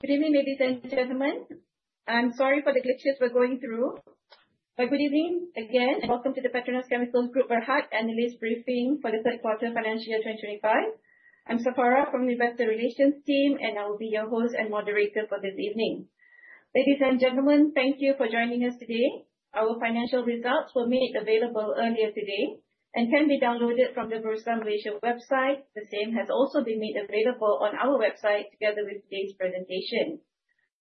Good evening, ladies and gentlemen. I'm sorry for the glitches we're going through, but good evening again, and welcome to the PETRONAS Chemicals Group Berhad Analyst Briefing for the Q3 financial year 2025. I'm Safarah from Investor Relations team, and I will be your host and moderator for this evening. Ladies and gentlemen, thank you for joining us today. Our financial results were made available earlier today and can be downloaded from the Bursa Malaysia website. The same has also been made available on our website, together with today's presentation.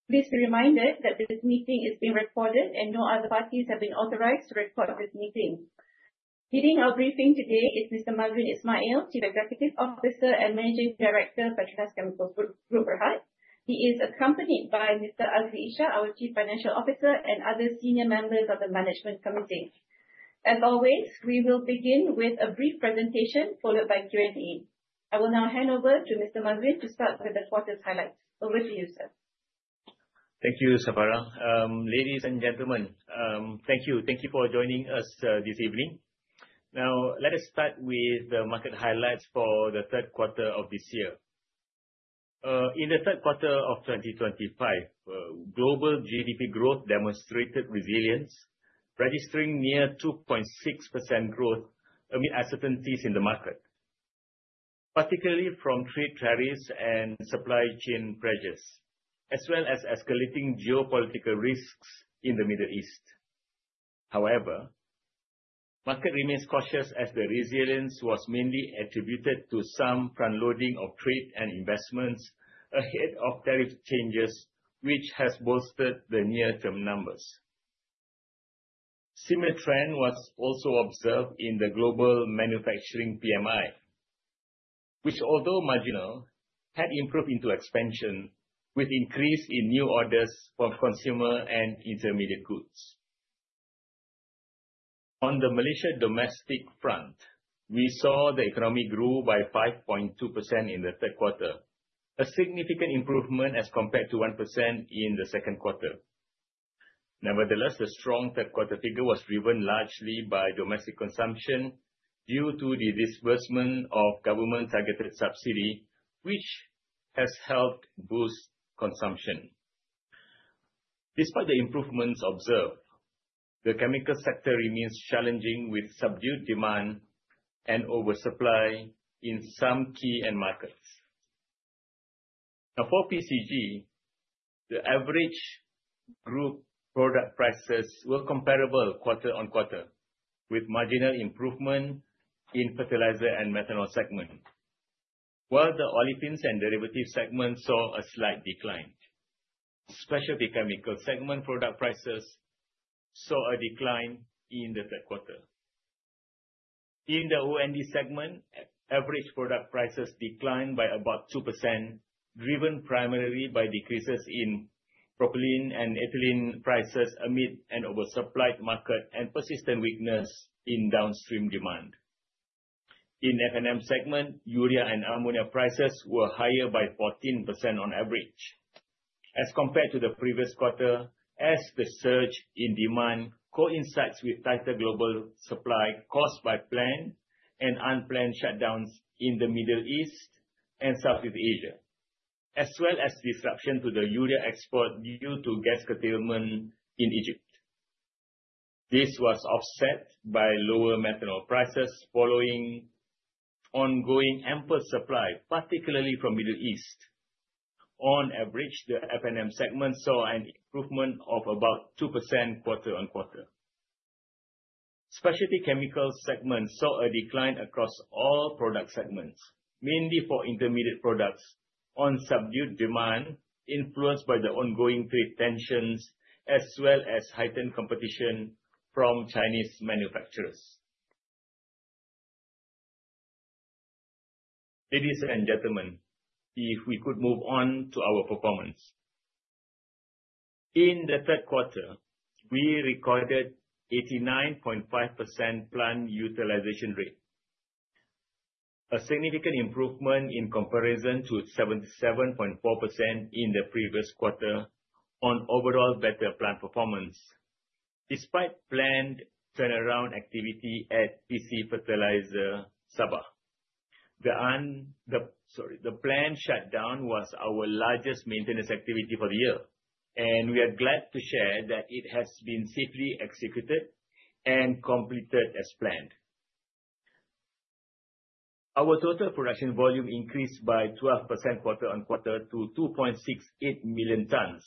Please be reminded that this meeting is being recorded and no other parties have been authorized to record this meeting. Leading our briefing today is Mr. Mazuin Ismail, Chief Executive Officer and Managing Director, PETRONAS Chemicals Group Berhad. He is accompanied by Mr. Azli Ishak, our Chief Financial Officer, and other senior members of the management committee. As always, we will begin with a brief presentation followed by Q&A. I will now hand over to Mr. Mazuin to start with the quarter's highlights. Over to you, sir. Thank you, Safarah. Ladies and gentlemen, thank you. Thank you for joining us this evening. Now, let us start with the market highlights for the Q3 of this year. In the Q3 of 2025, global GDP growth demonstrated resilience, registering near 2.6% growth amid uncertainties in the market, particularly from trade tariffs and supply chain pressures, as well as escalating geopolitical risks in the Middle East. However, market remains cautious as the resilience was mainly attributed to some front-loading of trade and investments ahead of tariff changes, which has bolstered the near-term numbers. Similar trend was also observed in the global manufacturing PMI, which, although marginal, had improved into expansion with increase in new orders for consumer and intermediate goods. On the Malaysia domestic front, we saw the economy grew by 5.2% in the Q3, a significant improvement as compared to 1% in the Q2. Nevertheless, the strong Q3 figure was driven largely by domestic consumption due to the disbursement of government-targeted subsidy, which has helped boost consumption. Despite the improvements observed, the chemical sector remains challenging, with subdued demand and oversupply in some key end markets. Now, for PCG, the average group product prices were comparable quarter-on-quarter, with marginal improvement in fertilizer and methanol segment. While the olefins and derivative segment saw a slight decline, specialty chemical segment product prices saw a decline in the Q3. In the O&D segment, average product prices declined by about 2%, driven primarily by decreases in propylene and ethylene prices amid an oversupplied market and persistent weakness in downstream demand. In F&M segment, urea and ammonia prices were higher by 14% on average as compared to the previous quarter, as the surge in demand coincides with tighter global supply caused by planned and unplanned shutdowns in the Middle East and Southeast Asia, as well as disruption to the urea export due to gas curtailment in Egypt. This was offset by lower methanol prices following ongoing ample supply, particularly from Middle East. On average, the F&M segment saw an improvement of about 2% quarter-over-quarter. Specialty chemicals segment saw a decline across all product segments, mainly for intermediate products, on subdued demand influenced by the ongoing trade tensions, as well as heightened competition from Chinese manufacturers. Ladies and gentlemen, if we could move on to our performance. In the Q3, we recorded 89.5% plant utilization rate, a significant improvement in comparison to 77.4% in the previous quarter on overall better plant performance, despite planned turnaround activity at PC Fertiliser Sabah. The planned shutdown was our largest maintenance activity for the year, and we are glad to share that it has been safely executed and completed as planned. Our total production volume increased by 12% quarter-on-quarter to 2.68 million tons,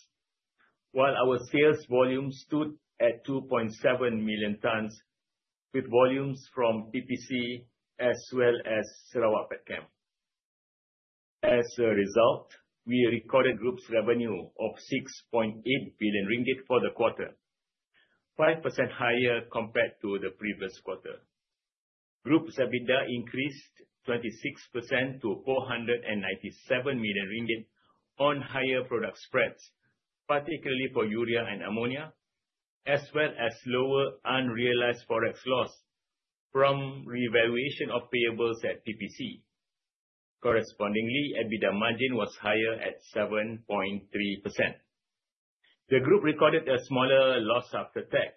while our sales volume stood at 2.7 million tons, with volumes from PPC as well as Sarawak Petchem. As a result, we recorded group's revenue of 6.8 billion ringgit for the quarter, 5% higher compared to the previous quarter. Group's EBITDA increased 26% to 497 million ringgit on higher product spreads, particularly for urea and ammonia, as well as lower unrealized Forex loss from revaluation of payables at PPC. Correspondingly, EBITDA margin was higher at 7.3%. The group recorded a smaller loss after tax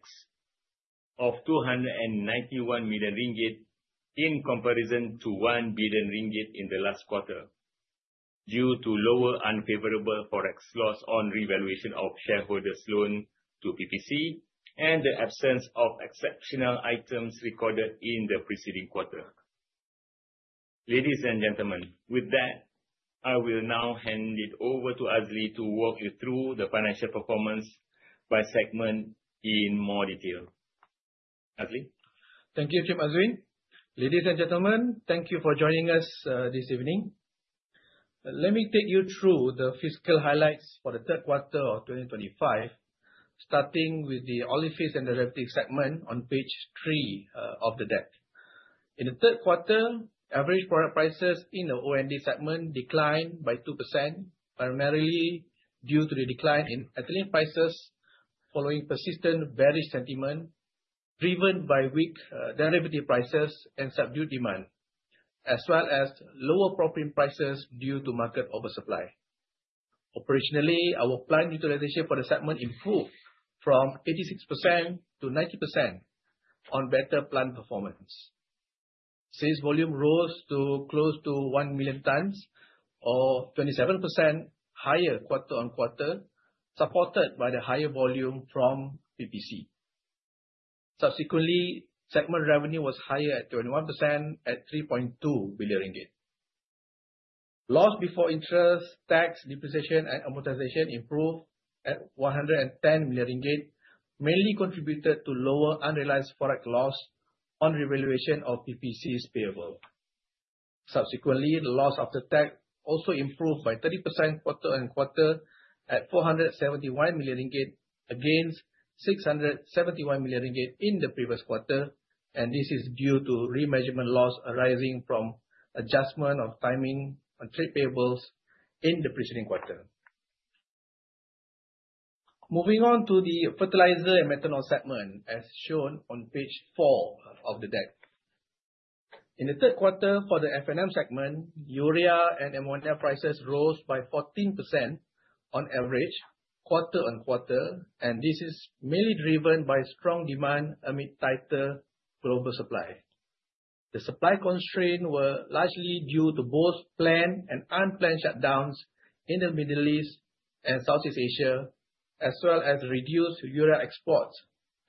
of 291 million ringgit, in comparison to 1 billion ringgit in the last quarter, due to lower unfavorable Forex loss on revaluation of shareholders' loan to PPC, and the absence of exceptional items recorded in the preceding quarter. Ladies and gentlemen, with that, I will now hand it over to Azli to walk you through the financial performance by segment in more detail. Azli? Thank you, Chief Mazuin. Ladies and gentlemen, thank you for joining us this evening. Let me take you through the fiscal highlights for the Q3 of 2025, starting with the Olefins and Derivatives segment on page 3 of the deck. In the Q3, average product prices in the O&D segment declined by 2%, primarily due to the decline in ethylene prices, following persistent bearish sentiment driven by weak derivative prices and subdued demand, as well as lower propane prices due to market oversupply. Operationally, our plant utilization for the segment improved from 86% to 90% on better plant performance. Sales volume rose to close to 1 million tons, or 27% higher quarter-on-quarter, supported by the higher volume from PPC. Subsequently, segment revenue was higher at 21% at 3.2 billion ringgit. Loss before interest, tax, depreciation, and amortization improved at 110 million ringgit, mainly contributed to lower unrealized Forex loss on revaluation of PPC's payable. Subsequently, the loss after tax also improved by 30% quarter-on-quarter, at 471 million ringgit, against 671 million ringgit in the previous quarter, and this is due to remeasurement loss arising from adjustment of timing on trade payables in the preceding quarter. Moving on to the Fertilizer and Methanol segment, as shown on page 4 of the deck. In the Q3 for the F&M segment, urea and ammonia prices rose by 14% on average, quarter-on-quarter, and this is mainly driven by strong demand amid tighter global supply. The supply constraints were largely due to both planned and unplanned shutdowns in the Middle East and Southeast Asia, as well as reduced urea exports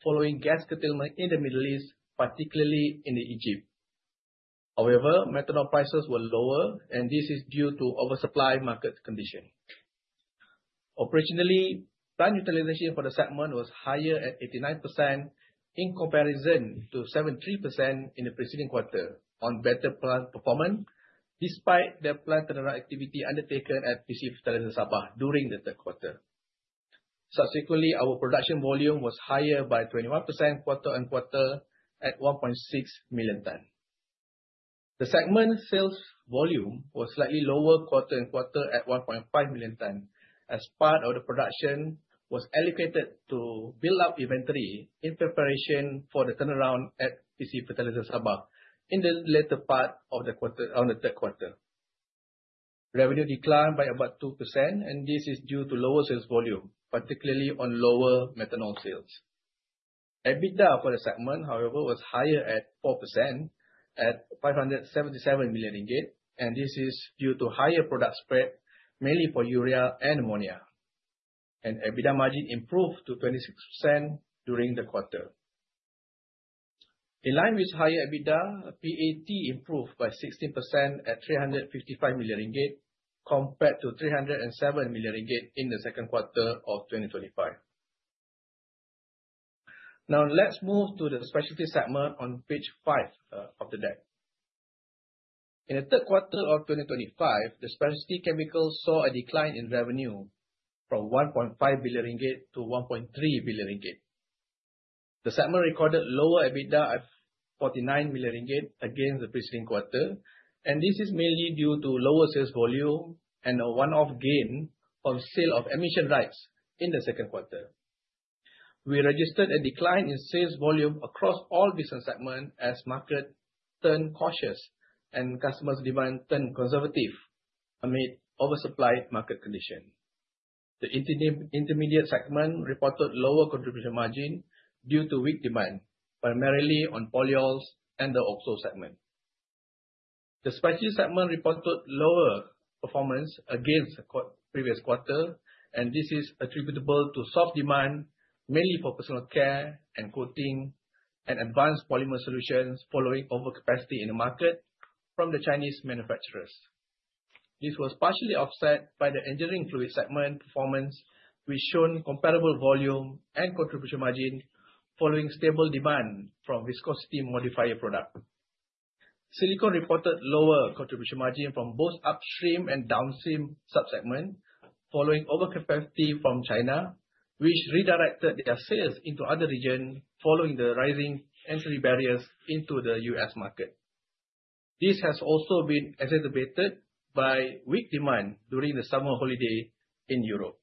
following gas curtailment in the Middle East, particularly in Egypt. However, methanol prices were lower, and this is due to oversupply market condition. Operationally, plant utilization for the segment was higher at 89% in comparison to 73% in the preceding quarter on better plant performance, despite the plant turnaround activity undertaken at PC Fertiliser Sabah during the Q3. Subsequently, our production volume was higher by 21% quarter-on-quarter, at 1.6 million ton. The segment sales volume was slightly lower quarter-on-quarter, at 1.5 million ton, as part of the production was allocated to build up inventory in preparation for the turnaround at PC Fertiliser Sabah in the later part of the quarter, on the Q3. Revenue declined by about 2%, and this is due to lower sales volume, particularly on lower methanol sales. EBITDA for the segment, however, was higher at 4%, at 577 million ringgit, and this is due to higher product spread, mainly for urea and ammonia. EBITDA margin improved to 26% during the quarter. In line with higher EBITDA, PAT improved by 16%, at 355 million ringgit, compared to 307 million ringgit in the Q2 of 2025. Now, let's move to the Specialty segment on page 5, of the deck. In the Q3 of 2025, the Specialty Chemical saw a decline in revenue from 1.5 billion ringgit to 1.3 billion ringgit. The segment recorded lower EBITDA at 49 million ringgit against the preceding quarter, and this is mainly due to lower sales volume and a one-off gain on sale of emission rights in the Q2. We registered a decline in sales volume across all business segments, as market turned cautious and customers' demand turned conservative amid oversupplied market conditions. The intermediate segment reported lower contribution margin due to weak demand, primarily on polyols and the OXO segment. The Specialty segment reported lower performance against the previous quarter, and this is attributable to soft demand, mainly for personal care and coating, and advanced polymer solutions, following overcapacity in the market from the Chinese manufacturers. This was partially offset by the engineering fluid segment performance, which showed comparable volume and contribution margin following stable demand from viscosity modifier product. Silicone reported lower contribution margin from both upstream and downstream sub-segments, following overcapacity from China, which redirected their sales into other regions following the rising entry barriers into the US market. This has also been exacerbated by weak demand during the summer holiday in Europe.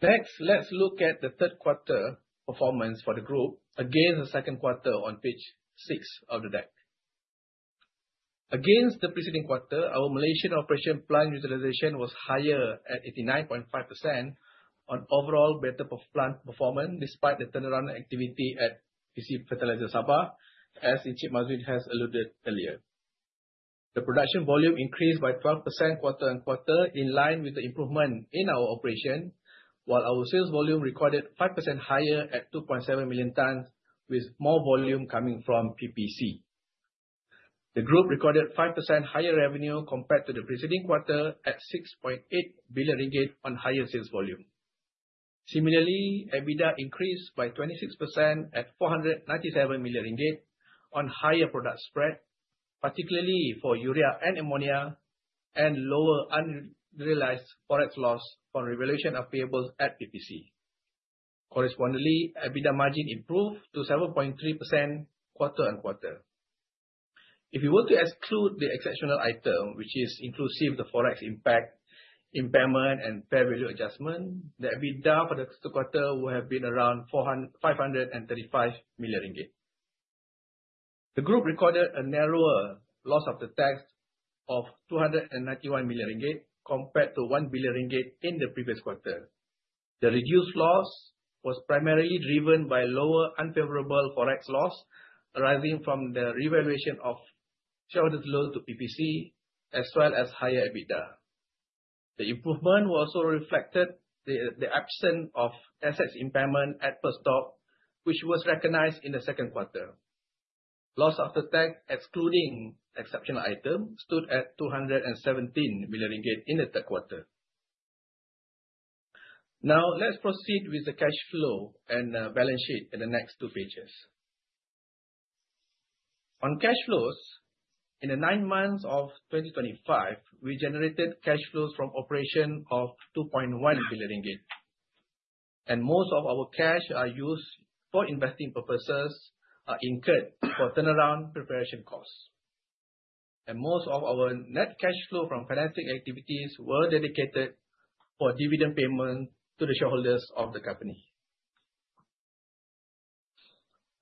Next, let's look at the Q3 performance for the group against the Q2 on page six of the deck. Against the preceding quarter, our Malaysian operation plant utilization was higher at 89.5% on overall better per plant performance, despite the turnaround activity at PC Fertiliser Sabah, as Encik Mazuin has alluded earlier. The production volume increased by 12% quarter-on-quarter, in line with the improvement in our operation, while our sales volume recorded 5% higher at 2.7 million tons, with more volume coming from PPC. The group recorded 5% higher revenue compared to the preceding quarter at 6.8 billion ringgit on higher sales volume. Similarly, EBITDA increased by 26% at 497 million ringgit on higher product spread, particularly for urea and ammonia, and lower unrealized Forex loss on revaluation of payables at PPC. Correspondingly, EBITDA margin improved to 7.3% quarter-on-quarter. If you were to exclude the exceptional item, which is inclusive the Forex impact, impairment, and fair value adjustment, the EBITDA for the Q2 would have been around five hundred and thirty-five million ringgit. The group recorded a narrower loss after tax of 291 million ringgit, compared to 1 billion ringgit in the previous quarter. The reduced loss was primarily driven by lower unfavorable Forex loss, arising from the revaluation of shareholders' loans to PPC, as well as higher EBITDA. The improvement was also reflected the absence of assets impairment at Perstorp, which was recognized in the Q2. Loss after tax, excluding exceptional item, stood at 217 million ringgit in the Q3. Now, let's proceed with the cash flow and balance sheet in the next two pages. On cash flows, in the nine months of 2025, we generated cash flows from operation of 2.1 billion ringgit, and most of our cash are used for investing purposes are incurred for turnaround preparation costs. Most of our net cash flow from financing activities were dedicated for dividend payment to the shareholders of the company.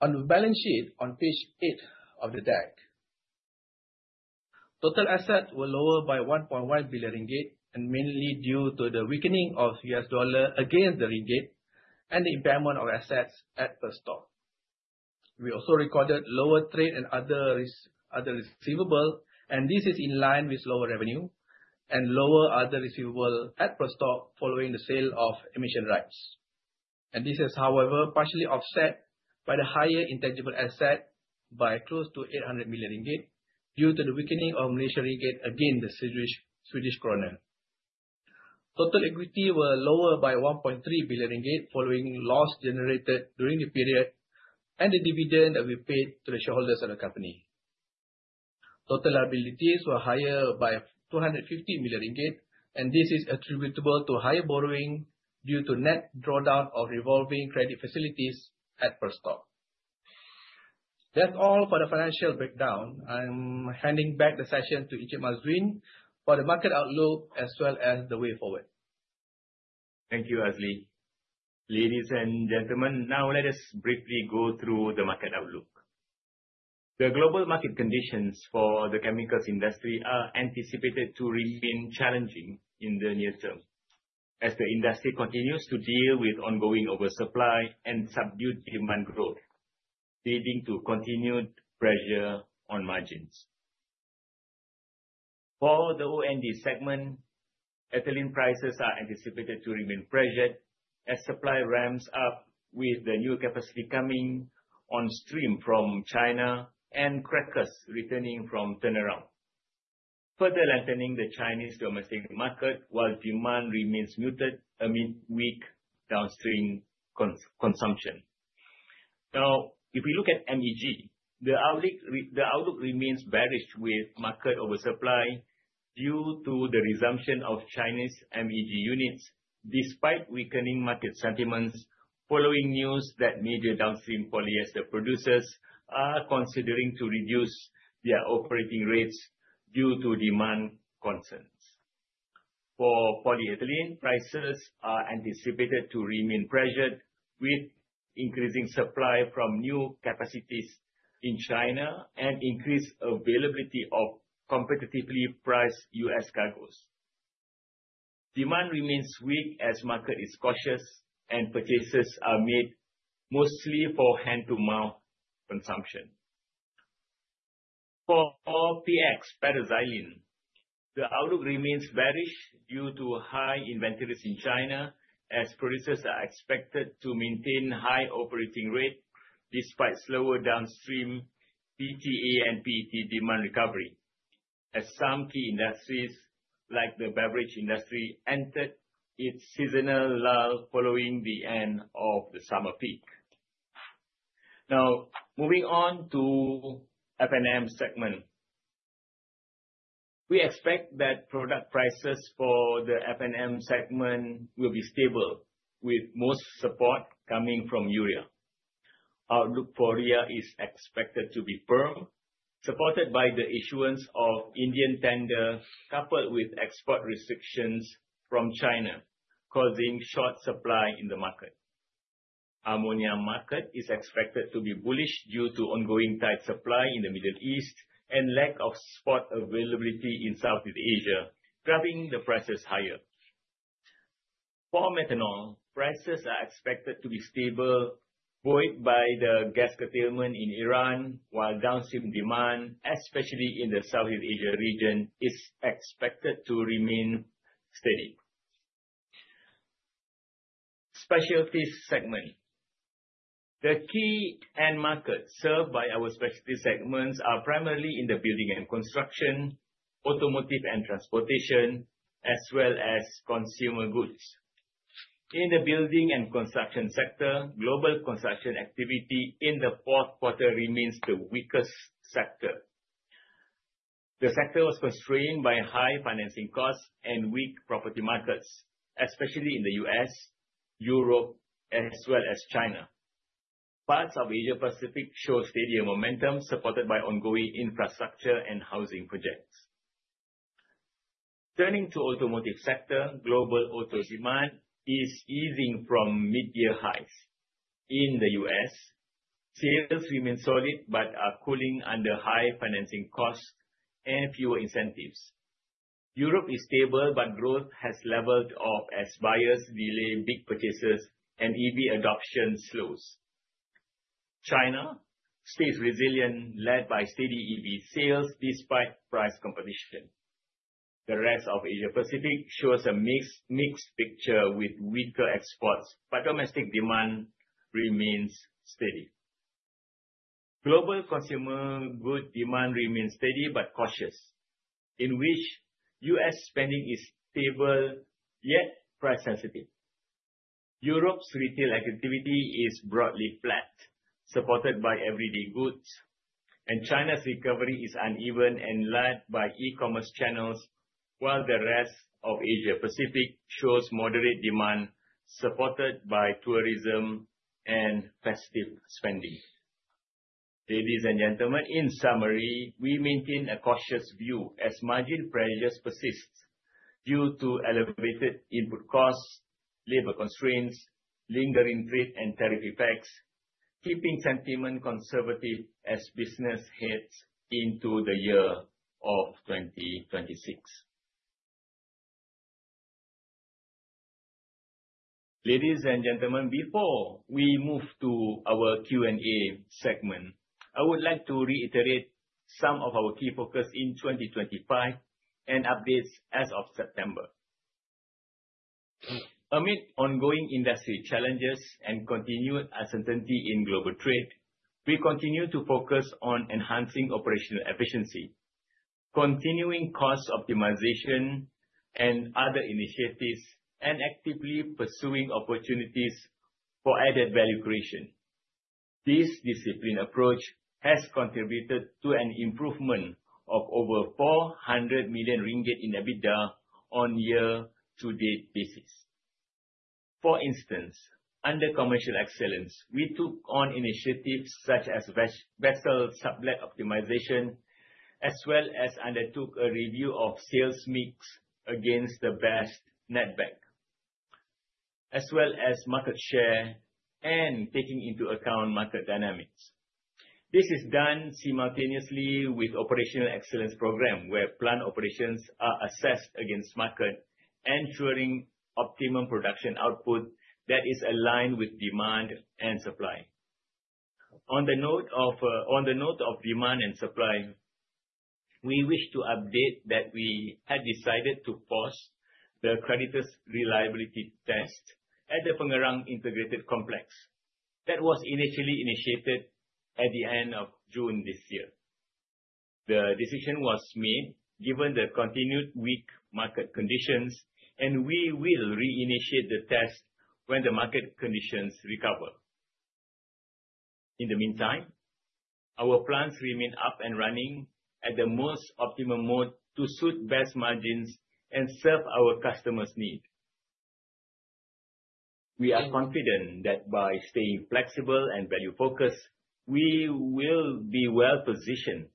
On the balance sheet, on page 8 of the deck, total assets were lower by 1.1 billion ringgit, and mainly due to the weakening of US dollar against the ringgit, and the impairment of assets at Perstorp. We also recorded lower trade and other receivable, and this is in line with lower revenue and lower other receivable at Perstorp, following the sale of emission rights. This is, however, partially offset by the higher intangible asset by close to 800 million ringgit, due to the weakening of Malaysian ringgit against the Swedish krona. Total equity were lower by 1.3 billion ringgit, following loss generated during the period, and the dividend that we paid to the shareholders of the company. Total liabilities were higher by 250 million ringgit, and this is attributable to higher borrowing due to net drawdown of revolving credit facilities at Perstorp. That's all for the financial breakdown. I'm handing back the session to Encik Mazuin for the market outlook, as well as the way forward. Thank you, Azli. Ladies and gentlemen, now let us briefly go through the market outlook. The global market conditions for the chemicals industry are anticipated to remain challenging in the near term, as the industry continues to deal with ongoing oversupply and subdued demand growth, leading to continued pressure on margins. For the O&D segment, ethylene prices are anticipated to remain pressured as supply ramps up with the new capacity coming on stream from China and crackers returning from turnaround, further lengthening the Chinese domestic market while demand remains muted amid weak downstream consumption. Now, if we look at MEG, the outlook remains bearish, with market oversupply due to the resumption of Chinese MEG units, despite weakening market sentiments following news that major downstream polyester producers are considering to reduce their operating rates due to demand concerns. For polyethylene, prices are anticipated to remain pressured, with increasing supply from new capacities in China and increased availability of competitively priced U.S. cargoes. Demand remains weak, as the market is cautious and purchases are made mostly for hand-to-mouth consumption. For PX, para-xylene, the outlook remains bearish due to high inventories in China, as producers are expected to maintain high operating rates despite slower downstream PTA and PET demand recovery, as some key industries, like the beverage industry, entered its seasonal lull following the end of the summer peak. Now, moving on to F&M segment. We expect that product prices for the F&M segment will be stable, with most support coming from urea. Our outlook for urea is expected to be firm, supported by the issuance of Indian tender, coupled with export restrictions from China, causing short supply in the market. Ammonia market is expected to be bullish due to ongoing tight supply in the Middle East and lack of spot availability in Southeast Asia, driving the prices higher. For methanol, prices are expected to be stable, buoyed by the gas curtailment in Iran, while downstream demand, especially in the Southeast Asia region, is expected to remain steady. Specialty segment. The key end markets served by our specialty segments are primarily in the building and construction, automotive and transportation, as well as consumer goods. In the building and construction sector, global construction activity in the Q4 remains the weakest sector. The sector was constrained by high financing costs and weak property markets, especially in the U.S., Europe, as well as China. Parts of Asia Pacific show steadier momentum, supported by ongoing infrastructure and housing projects. Turning to automotive sector, global auto demand is easing from mid-year highs. In the U.S., sales remain solid but are cooling under high financing costs and fewer incentives. Europe is stable, but growth has leveled off as buyers delay big purchases and EV adoption slows. China stays resilient, led by steady EV sales despite price competition. The rest of Asia Pacific shows a mix, mixed picture with weaker exports, but domestic demand remains steady. Global consumer good demand remains steady but cautious, in which U.S. spending is stable, yet price sensitive. Europe's retail activity is broadly flat, supported by everyday goods, and China's recovery is uneven and led by e-commerce channels, while the rest of Asia Pacific shows moderate demand, supported by tourism and festive spending. Ladies and gentlemen, in summary, we maintain a cautious view as margin pressures persist due to elevated input costs, labor constraints, lingering trade and tariff effects, keeping sentiment conservative as business heads into the year of 2026. Ladies and gentlemen, before we move to our Q&A segment, I would like to reiterate some of our key focus in 2025 and updates as of September. Amid ongoing industry challenges and continued uncertainty in global trade, we continue to focus on enhancing operational efficiency, continuing cost optimization and other initiatives, and actively pursuing opportunities for added value creation. This disciplined approach has contributed to an improvement of over 400 million ringgit in EBITDA on year-to-date basis. For instance, under commercial excellence, we took on initiatives such as vessel subject optimization, as well as undertook a review of sales mix against the best netback, as well as market share and taking into account market dynamics. This is done simultaneously with operational excellence program, where plant operations are assessed against market, ensuring optimum production output that is aligned with demand and supply. On the note of, on the note of demand and supply, we wish to update that we had decided to pause the Creditors Reliability Test at the Pengerang Integrated Complex. That was initially initiated at the end of June this year. The decision was made given the continued weak market conditions, and we will reinitiate the test when the market conditions recover. In the meantime, our plants remain up and running at the most optimum mode to suit best margins and serve our customers' needs. We are confident that by staying flexible and value-focused, we will be well-positioned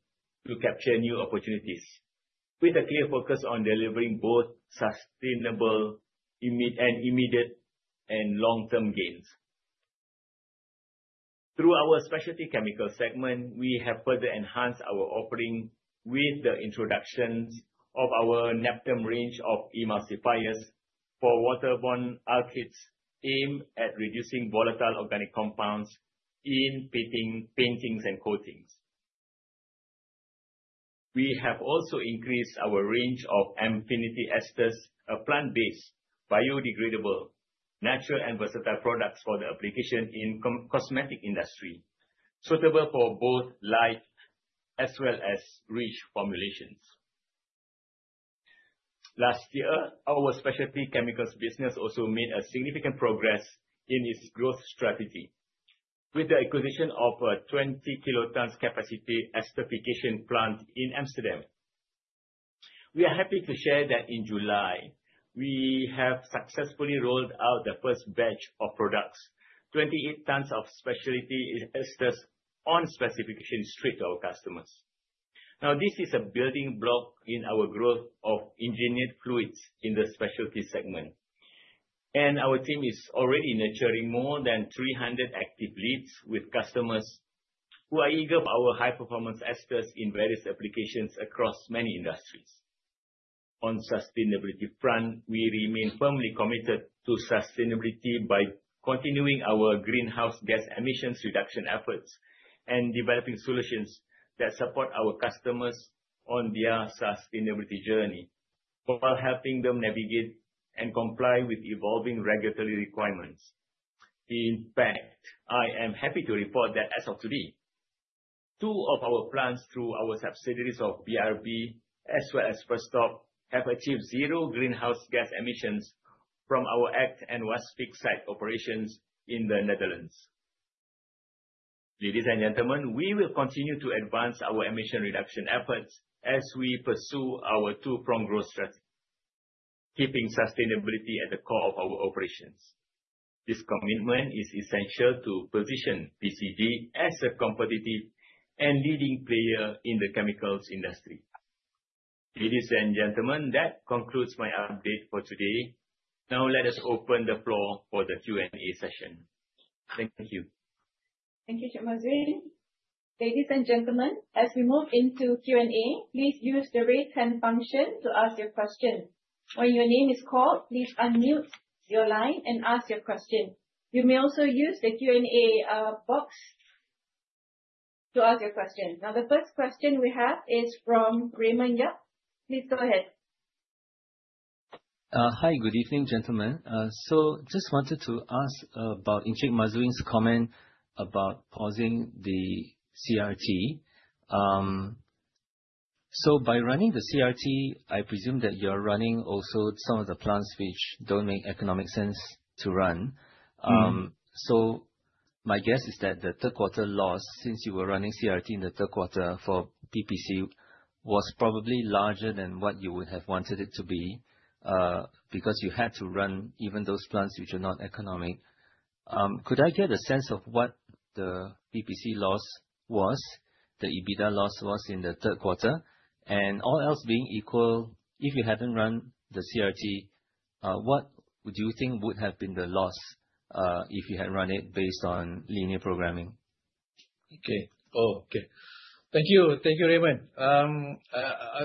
to capture new opportunities, with a clear focus on delivering both sustainable and immediate and long-term gains. Through our specialty chemical segment, we have further enhanced our offering with the introduction of our Neptem range of emulsifiers for water-borne alkyds, aimed at reducing volatile organic compounds in paints and coatings. We have also increased our range of Amfinity esters, a plant-based, biodegradable, natural and versatile products for the application in cosmetic industry, suitable for both light as well as rich formulations. Last year, our specialty chemicals business also made a significant progress in its growth strategy with the acquisition of a 20 kilotons capacity esterification plant in Amsterdam. We are happy to share that in July, we have successfully rolled out the first batch of products, 28 tons of specialty esters on specification, straight to our customers. ... Now, this is a building block in our growth of engineered fluids in the specialty segment, and our team is already nurturing more than 300 active leads with customers who are eager for our high-performance experts in various applications across many industries. On sustainability front, we remain firmly committed to sustainability by continuing our greenhouse gas emissions reduction efforts and developing solutions that support our customers on their sustainability journey, while helping them navigate and comply with evolving regulatory requirements. In fact, I am happy to report that as of today, two of our plants, through our subsidiaries of BRB, as well as Perstorp, have achieved zero greenhouse gas emissions from our Acht and Waspik site operations in the Netherlands. Ladies and gentlemen, we will continue to advance our emission reduction efforts as we pursue our two-pronged growth strategy, keeping sustainability at the core of our operations. This commitment is essential to position PCG as a competitive and leading player in the chemicals industry. Ladies and gentlemen, that concludes my update for today. Now, let us open the floor for the Q&A session. Thank you. Thank you, Encik Mazuin. Ladies and gentlemen, as we move into Q&A, please use the Raise Hand function to ask your question. When your name is called, please unmute your line and ask your question. You may also use the Q&A box to ask your question. Now, the first question we have is from Raymond Yap. Please go ahead. Hi, good evening, gentlemen. Just wanted to ask about Encik Mazuin's comment about pausing the CRT. By running the CRT, I presume that you're running also some of the plants which don't make economic sense to run. Mm-hmm. So my guess is that the Q3 loss, since you were running CRT in the Q3 for PPC, was probably larger than what you would have wanted it to be, because you had to run even those plants which are not economic. Could I get a sense of what the PPC loss was, the EBITDA loss was in the Q3? And all else being equal, if you hadn't run the CRT, what do you think would have been the loss, if you had run it based on linear programming? Okay. Oh, okay. Thank you. Thank you, Raymond.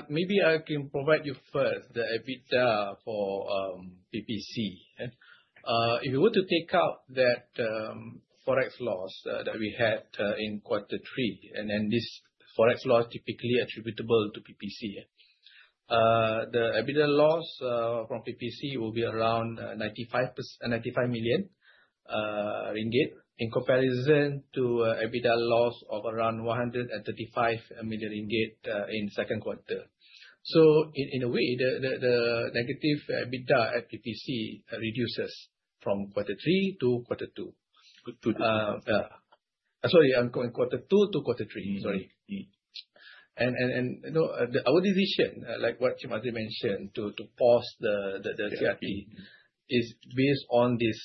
Maybe I can provide you first the EBITDA for PPC, yeah. If you were to take out that Forex loss that we had in Q3, and then this Forex loss typically attributable to PPC, the EBITDA loss from PPC will be around 95%-- 95 million ringgit, in comparison to EBITDA loss of around 135 million ringgit in Q2. So in a way, the negative EBITDA at PPC reduces from Q3 to Q2. Two- Yeah. Sorry, I'm going Q2 to Q3. Mm. Sorry. Mm. you know, our decision, like what Encik Mazuin mentioned, to the- Yeah... CRT, is based on this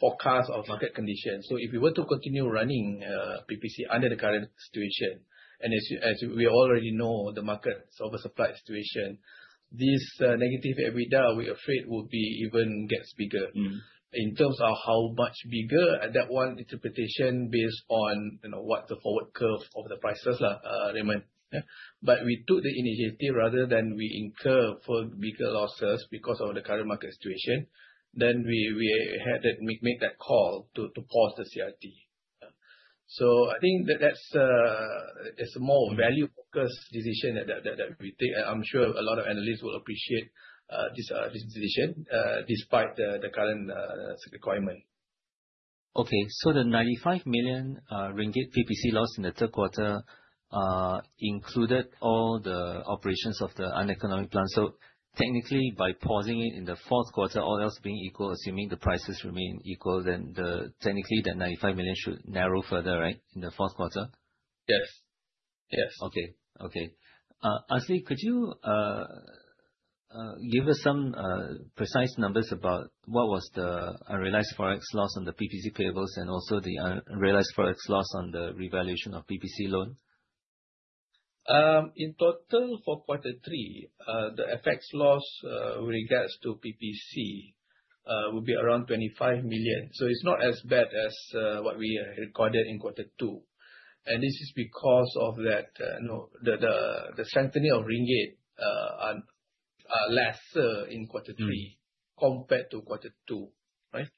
forecast of market conditions. So if we were to continue running PPC under the current situation, and as we already know, the market oversupply situation, this negative EBITDA, we are afraid, will be even gets bigger. Mm. In terms of how much bigger, that one interpretation based on, you know, what the forward curve of the prices are, Raymond, yeah. But we took the initiative rather than we incur for bigger losses because of the current market situation, then we had to make that call to pause the CRT. So I think that that's, it's a more value-focused decision that we take. I'm sure a lot of analysts will appreciate this decision despite the current requirement. Okay. So the 95 million ringgit PPC loss in the Q3 included all the operations of the uneconomic plant. So technically, by pausing it in the Q4, all else being equal, assuming the prices remain equal, then the technically, the 95 million should narrow further, right, in the Q4? Yes. Yes. Okay, okay. Actually, could you give us some precise numbers about what was the unrealized Forex loss on the PPC payables, and also the unrealized Forex loss on the revaluation of PPC loan? In total, for Q3, the FX loss regards to PPC will be around 25 million. So it's not as bad as what we recorded in Q2. And this is because of that, you know, the strengthening of ringgit on lesser in Q3- Mm... compared to Q2, right?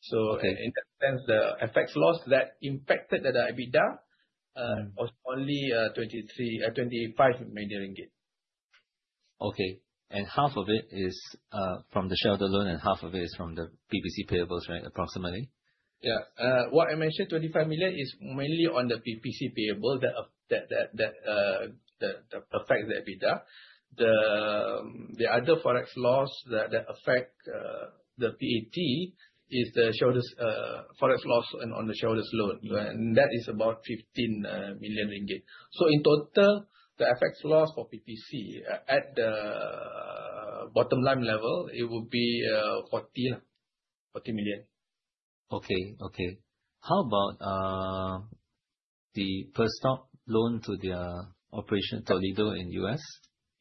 So- Okay... in that sense, the FX loss that impacted the EBITDA, Mm... was only MYR 23, 25 million. Okay. And half of it is from the shelter loan, and half of it is from the PPC payables, right? Approximately. Yeah. What I mentioned, 25 million is mainly on the PPC payable that affect the EBITDA. The other Forex loss that affect the PAT is the SAMUR Forex loss and on the Saudi loan. Mm. That is about 15 million ringgit. In total, the FX loss for PPC at the bottom line level, it would be 40 million.... Okay, okay. How about the Perstorp loan to the operation Toledo in the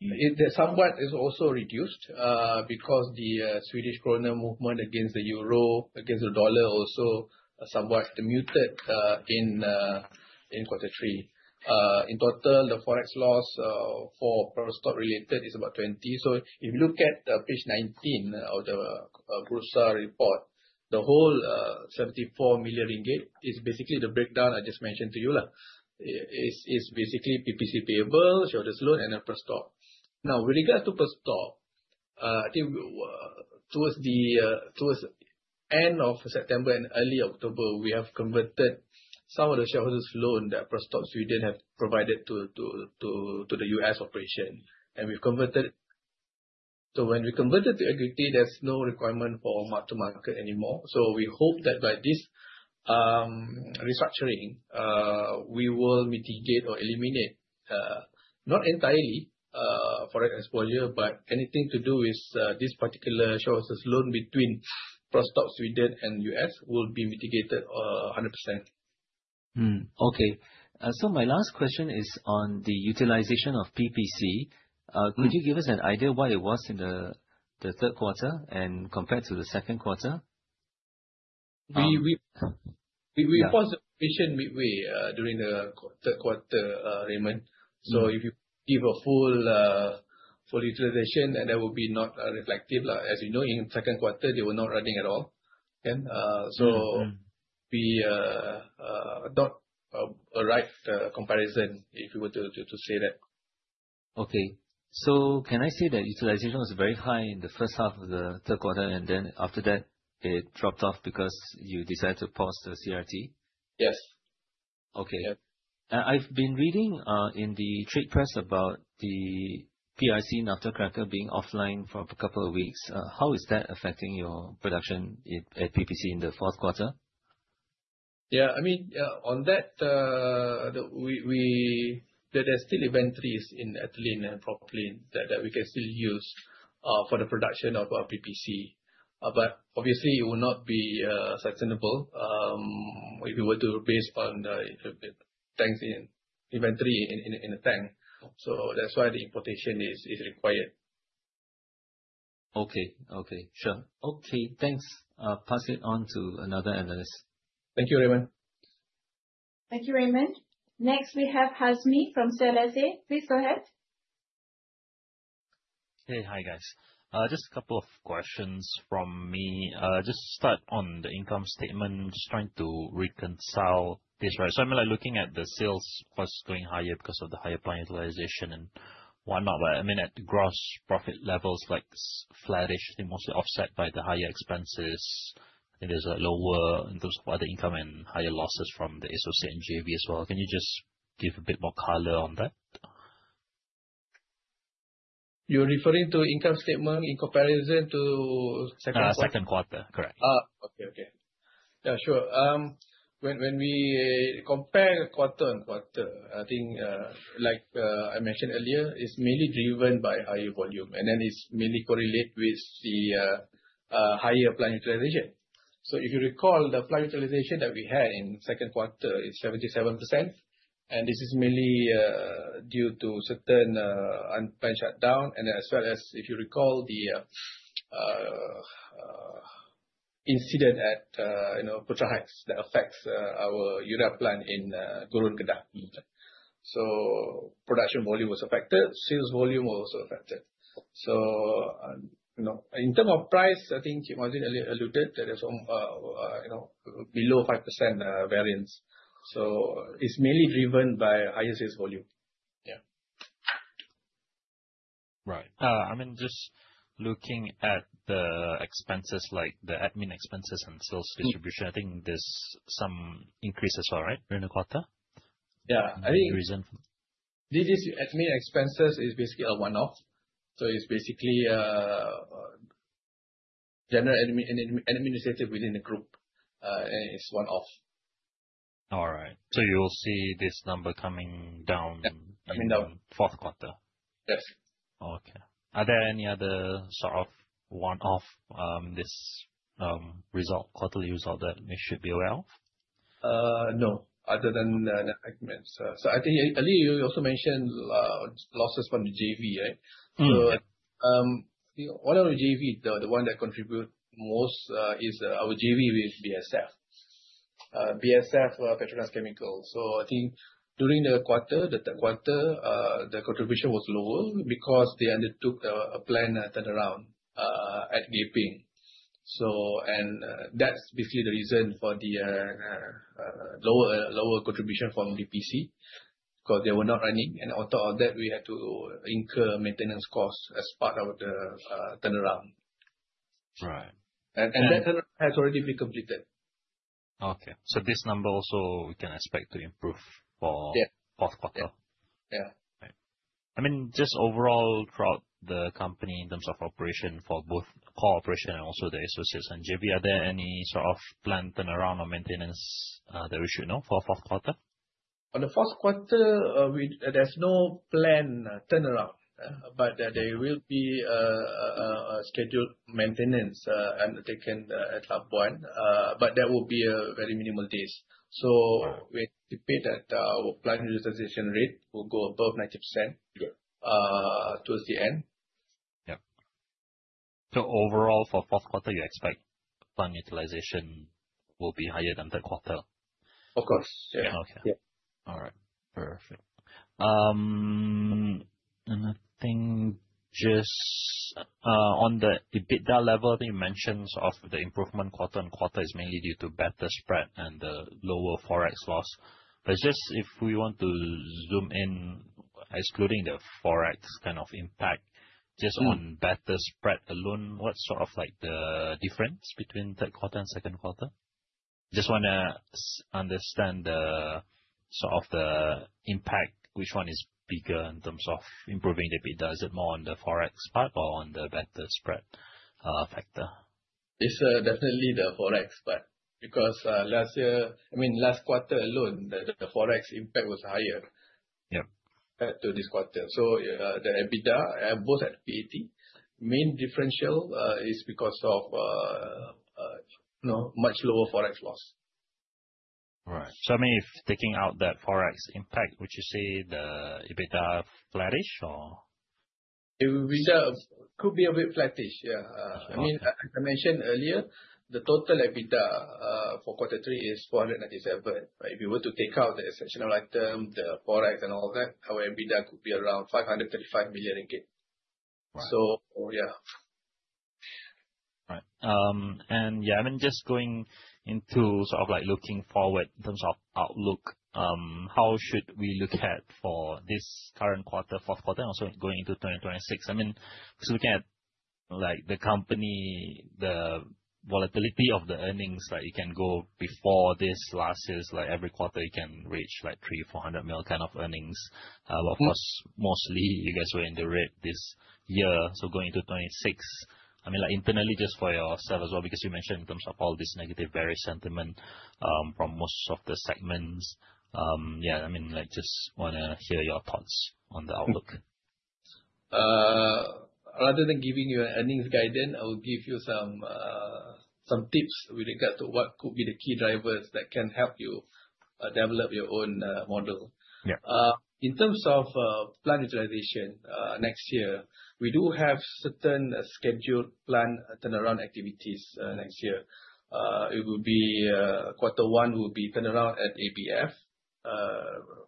U.S.? It somewhat is also reduced, because the Swedish krona movement against the euro, against the dollar also somewhat muted, in Q3. In total, the Forex loss for Perstorp related is about 20 million. So if you look at page 19 of the quarterly report, the whole 74 million ringgit is basically the breakdown I just mentioned to you. It is basically PPC payable, shareholders loan, and then Perstorp. Now, with regards to Perstorp, I think, towards the end of September and early October, we have converted some of the shareholders loan that Perstorp Sweden have provided to the US operation, and we've converted. So when we converted to equity, there's no requirement for mark to market anymore. We hope that by this restructuring, we will mitigate or eliminate, not entirely, foreign exposure, but anything to do with this particular shareholders loan between Perstorp, Sweden and U.S. will be mitigated 100%. Okay. So my last question is on the utilization of PPC. Mm-hmm. Could you give us an idea what it was in the Q3 and compared to the Q2? We, we- Yeah. We paused the operation midway, during the Q3, Raymond. Mm. So if you give a full, full utilization, and that will be not reflective. As you know, in Q2, they were not running at all. And, Mm-hmm. So we not a right comparison, if you were to say that. Okay. So can I say that utilization was very high in the H1 of the Q3, and then after that, it dropped off because you decided to pause the CRT? Yes. Okay. Yep. I've been reading in the trade press about the PIC naphtha cracker being offline for a couple of weeks. How is that affecting your production at PPC in the Q4? Yeah, I mean, on that, there are still inventories in ethylene and propylene that we can still use for the production of our PPC. But obviously it will not be sustainable if you were to base on the tanks in inventory in the tank. So that's why the importation is required. Okay. Okay, sure. Okay, thanks. I'll pass it on to another analyst. Thank you, Raymond. Thank you, Raymond. Next, we have Hazmi from CLSA. Please go ahead. Hey, hi, guys. Just a couple of questions from me. Just start on the income statement. Just trying to reconcile this, right. So I'm, like, looking at the sales was going higher because of the higher plant utilization and whatnot. But I mean, at the gross profit levels, like, flattish and mostly offset by the higher expenses, and there's a lower in terms of other income and higher losses from the associate and JV as well. Can you just give a bit more color on that? You're referring to income statement in comparison to Q2? Q2. Correct. Okay, okay. Yeah, sure. When we compare quarter-on-quarter, I think, like, I mentioned earlier, it's mainly driven by higher volume, and then it's mainly correlate with the higher plant utilization. So if you recall, the plant utilization that we had in Q2 is 77%, and this is mainly due to certain unplanned shutdown, and as well as, if you recall, the incident at, you know, Putra Heights, that affects our urea plant in Gurun, Kedah. So production volume was affected, sales volume was also affected. So, you know, in term of price, I think Jim was earlier alluded that is, you know, below 5% variance. So it's mainly driven by higher sales volume. Yeah. Right. I mean, just looking at the expenses, like the admin expenses and sales distribution- Mm. I think there's some increase as well, right, during the quarter? Yeah, I think- Any reason? This is admin expenses is basically a one-off, so it's basically general admin, administrative within the group. And it's one-off. All right. So you will see this number coming down- Yep, coming down. in the Q4? Yes. Okay. Are there any other sort of one-off, this, result, quarterly result, that we should be aware of? No, other than the admin. So I think earlier, you also mentioned losses from the JV, right? Mm-hmm. So, one of the JV, the one that contribute most, is our JV with BASF. BASF PETRONAS Chemicals. So I think during the quarter, the Q3, the contribution was lower because they undertook a plant turnaround at Gebeng. So, and, that's basically the reason for the lower contribution from the PC, 'cause they were not running. And on top of that, we had to incur maintenance costs as part of the turnaround. Right. That turnaround has already been completed. Okay. So this number also we can expect to improve for- Yeah. -Q4? Yeah. Yeah. Right. I mean, just overall throughout the company in terms of operation for both core operation and also the associates and JV, are there any sort of planned turnaround or maintenance that we should know for Q4? ...On the Q4, there's no planned turnaround, but there will be a scheduled maintenance undertaken at Labuan. But that will be a very minimal days. So we anticipate that our plant utilization rate will go above 90%- Good. - towards the end. Yeah. Overall, for Q4, you expect plant utilization will be higher than Q3? Of course. Yeah. Okay. Yeah. All right, perfect. Another thing, just, on the EBITDA level, you mentions of the improvement quarter-on-quarter is mainly due to better spread and the lower Forex loss. But just if we want to zoom in, excluding the Forex kind of impact- Mm. Just on better spread alone, what's sort of like the difference between Q3 and Q2? Just wanna understand the, sort of, the impact, which one is bigger in terms of improving EBITDA? Is it more on the Forex part or on the better spread factor? It's definitely the Forex part, because last year, I mean, last quarter alone, the Forex impact was higher- Yeah than to this quarter. So, the EBITDA, both at PAT, main differential, is because of, you know, much lower Forex loss. Right. So, I mean, if taking out that forex impact, would you say the EBITDA flattish or? It will, could be a bit flattish, yeah. Uh. I mean, as I mentioned earlier, the total EBITDA for quarter three is 497. If you were to take out the exceptional item, the Forex and all that, our EBITDA could be around 535 million ringgit. Wow. So. Yeah. Right. And yeah, I mean, just going into, sort of, like, looking forward in terms of outlook, how should we look at for this current quarter, Q4, and also going into 2026? I mean, because looking at, like, the company, the volatility of the earnings, like, you can go before this last year, like, every quarter, you can reach, like, 300 million-400 million kind of earnings. Mm. Of course, mostly you guys were in the red this year, so going into 2026, I mean, like, internally, just for yourself as well, because you mentioned in terms of all this negative bearish sentiment from most of the segments. Yeah, I mean, like, just wanna hear your thoughts on the outlook. Rather than giving you an earnings guidance, I will give you some tips with regard to what could be the key drivers that can help you develop your own model. Yeah. In terms of plant utilization, next year, we do have certain scheduled plant turnaround activities, next year. It will be quarter one will be turnaround at ABF,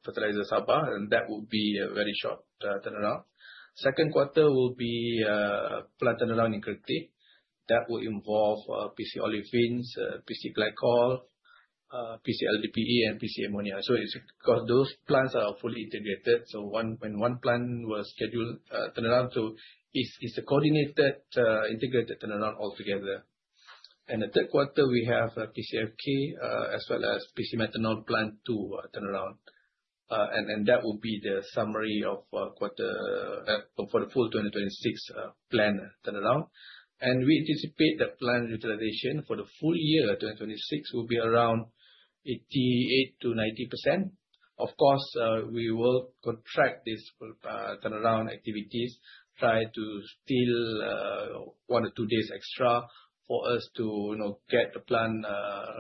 Fertilizer Sabah, and that will be a very short turnaround. Q2 will be plant turnaround in Kerteh. That will involve PC Olefins, PC Glycol, PC LDPE and PC Ammonia. So it's because those plants are fully integrated, so when one plant is scheduled turnaround, so it's a coordinated integrated turnaround altogether. And the Q3, we have PCFK, as well as PC Methanol plant to turnaround. And that will be the summary of quarter for the full 2026 plant turnaround. We anticipate the plant utilization for the full year, 2026, will be around 88%-90%. Of course, we will contract this turnaround activities, try to steal one or two days extra for us to, you know, get the plant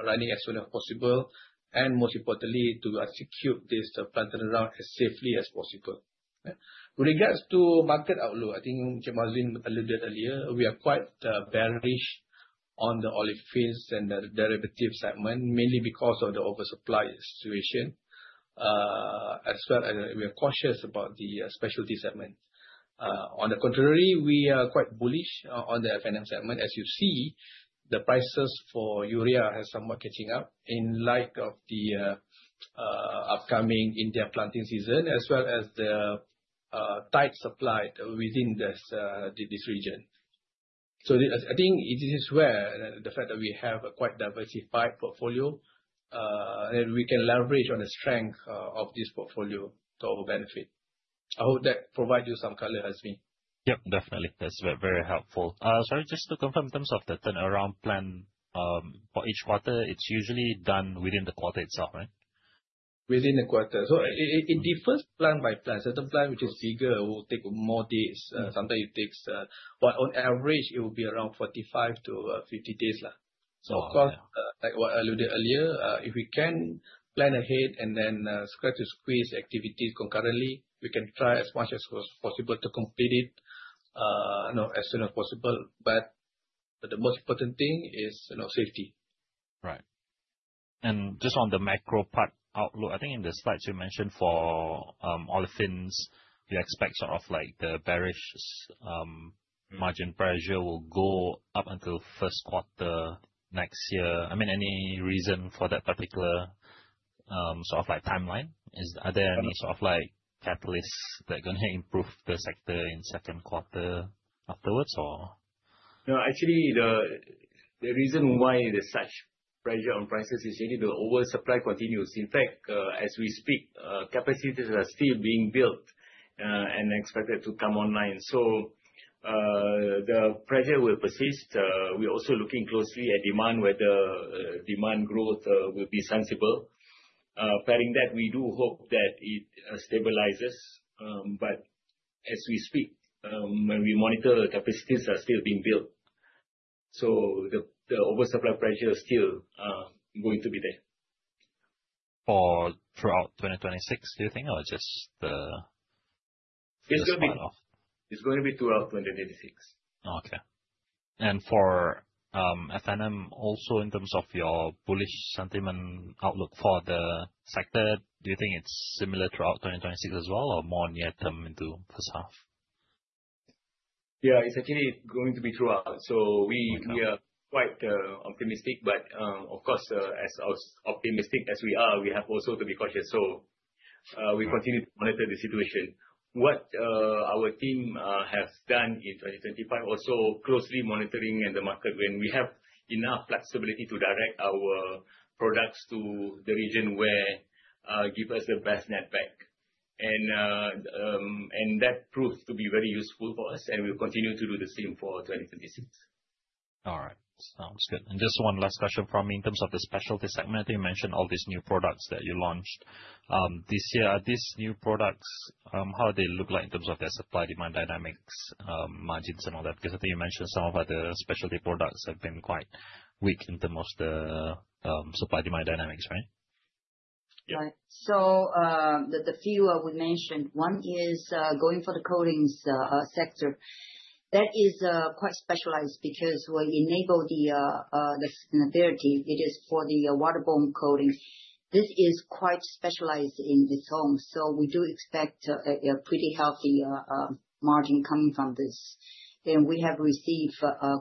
running as soon as possible, and most importantly, to execute this plant turnaround as safely as possible. Yeah. With regards to market outlook, I think Encik Mazuin alluded earlier, we are quite bearish on the olefins and the derivative segment, mainly because of the oversupply situation. As well as we are cautious about the specialty segment. On the contrary, we are quite bullish on the affiliate segment. As you see, the prices for urea has somewhat catching up in light of the upcoming India planting season, as well as the tight supply within this region. So I, I think it is where the fact that we have a quite diversified portfolio, and we can leverage on the strength of this portfolio to our benefit. I hope that provide you some color, Hazmi. Yep, definitely. That's very, very helpful. Sorry, just to confirm, in terms of the turnaround plan, for each quarter, it's usually done within the quarter itself, right? Within the quarter. So in the first plant by plant, certain plant which is bigger will take more days. Mm. Sometimes it takes... But on average, it will be around 45-50 days left. Wow. So, of course, like what I alluded earlier, if we can plan ahead and then, start to squeeze activities concurrently, we can try as much as possible to complete it, you know, as soon as possible. But, but the most important thing is, you know, safety. Right. And just on the macro part outlook, I think in the slides you mentioned for olefins, you expect sort of like the bearish margin pressure will go up until Q1 next year. I mean, any reason for that particular sort of like timeline? Is- Um. Are there any sort of like, catalysts that are gonna improve the sector in Q2 afterwards, or? No, actually, the reason why there's such pressure on prices is really the oversupply continues. In fact, as we speak, capacities are still being built and expected to come online, so the pressure will persist. We're also looking closely at demand, whether-... the demand growth will be sensible. Bearing that, we do hope that it stabilizes. But as we speak, when we monitor, capacities are still being built. So the oversupply pressure is still going to be there. For throughout 2026, do you think? Or just the- It's going to be- The start of. It's going to be throughout 2026. Okay. For F&M, also, in terms of your bullish sentiment outlook for the sector, do you think it's similar throughout 2026 as well, or more near-term into H1? Yeah, it's actually going to be throughout. Okay. So we are quite optimistic, but, of course, as optimistic as we are, we have also to be cautious. So, we continue- Mm-hmm. to monitor the situation. What our team has done in 2025, also closely monitoring in the market, when we have enough flexibility to direct our products to the region where give us the best net back. And that proved to be very useful for us, and we'll continue to do the same for 2026. All right. Sounds good. And just one last question from me. In terms of the specialty segment, I think you mentioned all these new products that you launched this year. Are these new products how do they look like in terms of their supply-demand dynamics, margins and all that? Because I think you mentioned some of the specialty products have been quite weak in the most supply-demand dynamics, right? Yeah. Right. So, the few we mentioned, one is going for the coatings sector. That is quite specialized because we enable the sustainability. It is for the waterborne coating. This is quite specialized in its own, so we do expect a pretty healthy margin coming from this. And we have received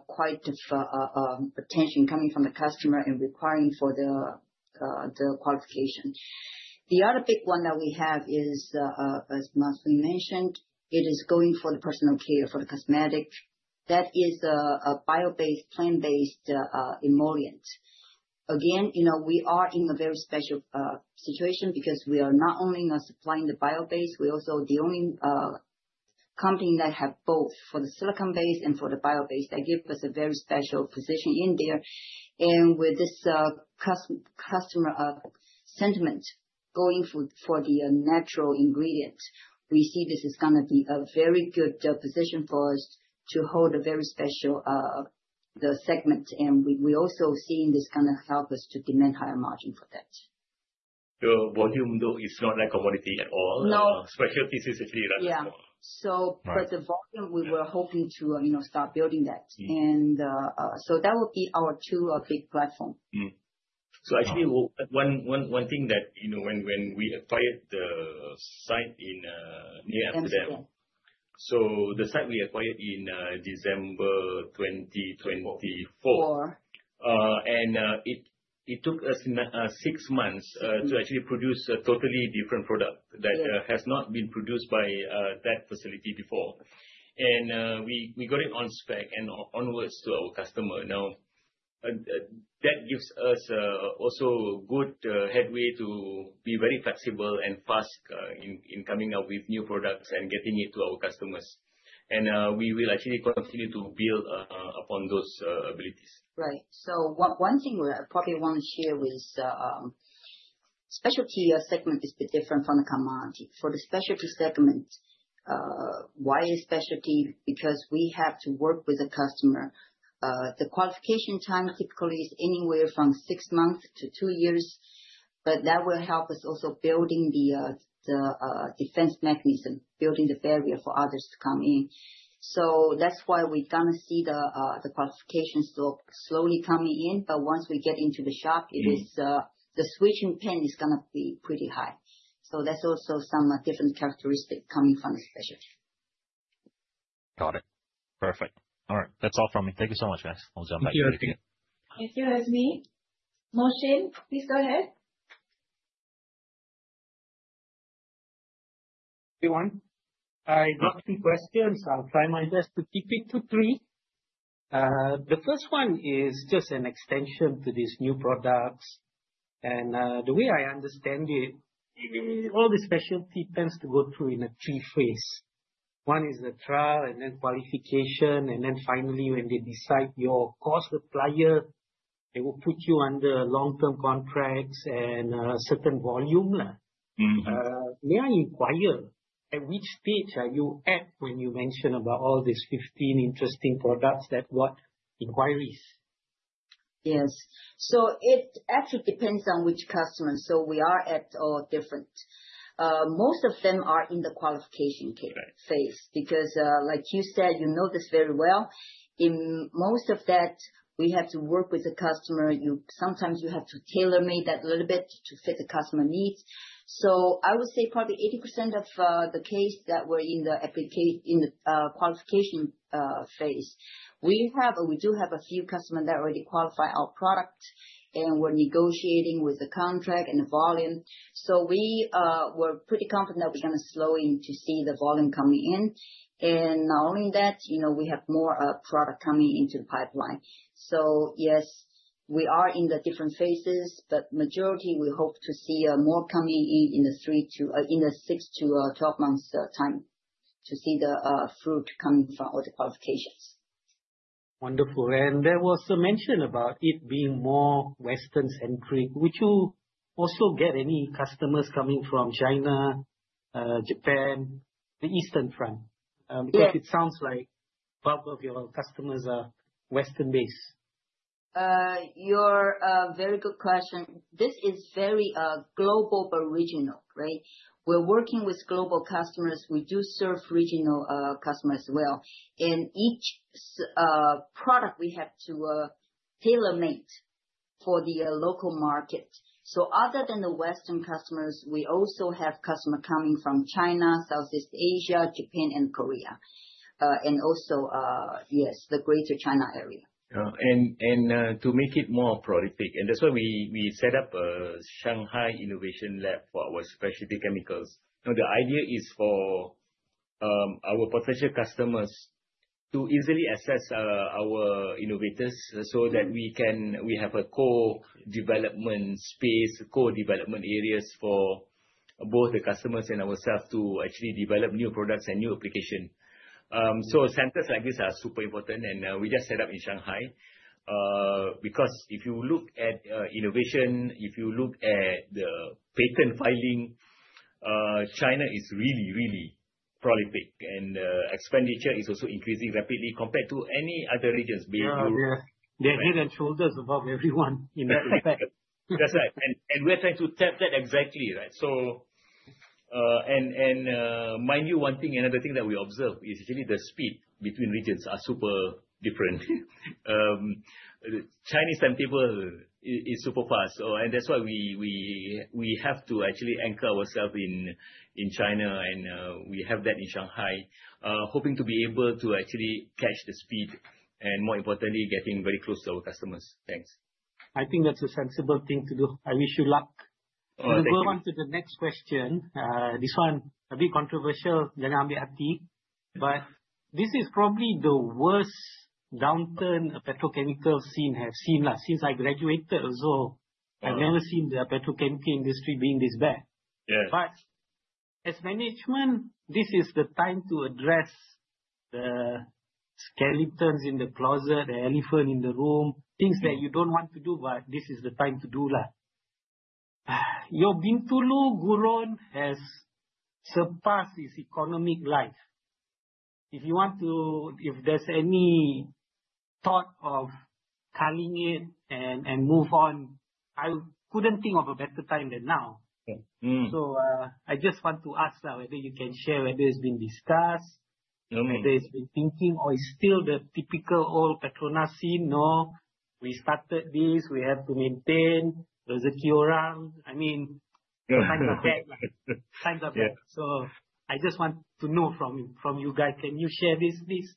quite attention coming from the customer and requiring for the qualification. The other big one that we have is, as Mazuin mentioned, it is going for the personal care, for the cosmetic. That is a bio-based, plant-based emollient. Again, you know, we are in a very special situation because we are not only now supplying the bio-based, we're also the only company that have both for the silicone-based and for the bio-based. That give us a very special position in there. And with this, customer sentiment going for the natural ingredients, we see this is gonna be a very good position for us to hold a very special the segment, and we also seeing this gonna help us to demand higher margin for that. The volume, though, is not like commodity at all. No. Specialty is actually less volume. Yeah. So- Right... but the volume, we were hoping to, you know, start building that. Mm. So that will be our two big platform. So actually, one thing that, you know, when we acquired the site in near Amsterdam. December. The site we acquired in December 2024. Four. It took us six months. Mm... to actually produce a totally different product- Yeah That has not been produced by that facility before. And we got it on spec and onwards to our customer. Now, that gives us also good headway to be very flexible and fast in coming up with new products and getting it to our customers. And we will actually continue to build upon those abilities. Right. So one thing I probably want to share is, specialty segment is a bit different from the commodity. For the specialty segment, why a specialty? Because we have to work with the customer. The qualification time typically is anywhere from 6 months to 2 years, but that will help us also building the defense mechanism, building the barrier for others to come in. So that's why we're gonna see the qualifications slowly coming in, but once we get into the shop- Mm... it is, the switching cost is gonna be pretty high. So that's also some different characteristic coming from the specialty. Got it. Perfect. All right, that's all from me. Thank you so much, guys. I'll jump back to you. Thank you, Hazmi. Mohsin, please go ahead. Everyone, I got three questions. I'll try my best to keep it to three. The first one is just an extension to these new products. The way I understand it, all the specialty tends to go through in a three phase. One is the trial and then qualification, and then finally, when they decide your cost supplier, they will put you under long-term contracts and certain volume. Mm-hmm. May I inquire, at which stage are you at when you mention about all these 15 interesting products that won inquiries? Yes. So it actually depends on which customer, so we are at different... Most of them are in the qualification ca- Right Phase, because, like you said, you know this very well. In most of that, we have to work with the customer. You sometimes you have to tailor-made that a little bit to fit the customer needs. So I would say probably 80% of the case that we're in the qualification phase. We do have a few customers that already qualify our product, and we're negotiating with the contract and the volume. So we're pretty confident that we're gonna slowly to see the volume coming in. And not only that, you know, we have more product coming into the pipeline. So yes, we are in the different phases, but majority, we hope to see more coming in, in the 3 to, in the 6 to, 12 months time.... to see the fruit coming from all the qualifications. Wonderful. And there was a mention about it being more Western-centric. Would you also get any customers coming from China, Japan, the Eastern front? Yeah. because it sounds like part of your customers are Western-based. You're a very good question. This is very global, but regional, right? We're working with global customers. We do serve regional customers as well. And each product, we have to tailor-made for the local market. So other than the Western customers, we also have customer coming from China, Southeast Asia, Japan and Korea. And also, yes, the greater China area. Yeah. To make it more prolific, and that's why we set up a Shanghai innovation lab for our specialty chemicals. So the idea is for our potential customers to easily access our innovators, so that we can have a core development space, core development areas for both the customers and ourselves to actually develop new products and new application. So centers like this are super important, and we just set up in Shanghai. Because if you look at innovation, if you look at the patent filing, China is really, really prolific, and expenditure is also increasing rapidly compared to any other regions, be it- Yeah, they're, they're head and shoulders above everyone in that respect. That's right. We're trying to tap that exactly, right. So, mind you, one thing, another thing that we observe is really the speed between regions are super different. Chinese timetable is super fast. So that's why we have to actually anchor ourself in China and we have that in Shanghai. Hoping to be able to actually catch the speed and more importantly, getting very close to our customers. Thanks. I think that's a sensible thing to do. I wish you luck. Oh, thank you. We go on to the next question. This one a bit controversial. Yeah. But this is probably the worst downturn a petrochemical scene have seen, since I graduated also. Yeah. I've never seen the petrochemical industry being this bad. Yes. But as management, this is the time to address the skeletons in the closet, the elephant in the room, things that you don't want to do, but this is the time to do that. Your Bintulu Gurun has surpassed its economic life. If you want to... If there's any thought of cutting it and, and move on, I couldn't think of a better time than now. Hmm. I just want to ask whether you can share whether it's been discussed- Okay. whether it's been thinking or it's still the typical old PETRONAS scene, "No, we started this. We have to maintain," I mean, times are bad. Times are bad. Yeah. I just want to know from you, from you guys, can you share this, please?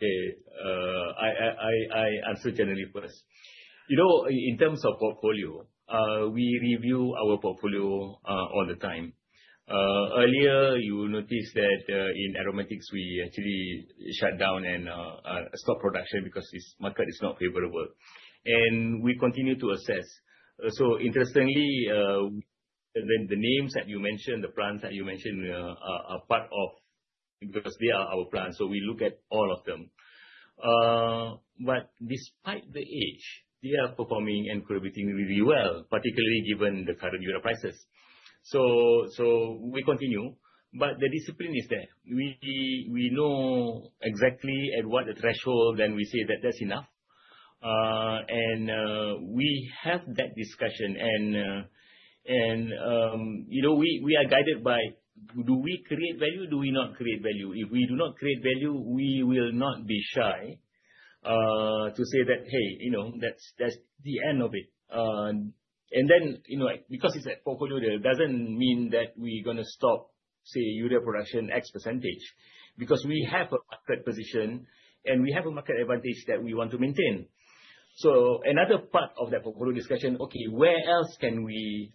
Okay. I answer generally first. You know, in terms of portfolio, we review our portfolio all the time. Earlier, you noticed that in aromatics, we actually shut down and stop production because this market is not favorable. We continue to assess. So interestingly, when the names that you mentioned, the brands that you mentioned are part of... Because they are our brands, so we look at all of them. But despite the age, they are performing and competing really well, particularly given the current urea prices. We continue. But the discipline is there. We know exactly at what the threshold, then we say that that's enough. We have that discussion and you know, we are guided by, do we create value? Do we not create value? If we do not create value, we will not be shy to say that, "Hey, you know, that's, that's the end of it." And then, you know, because it's a portfolio, that doesn't mean that we're gonna stop, say, urea production X percentage. Because we have a market position, and we have a market advantage that we want to maintain. So another part of that portfolio discussion, okay, where else can we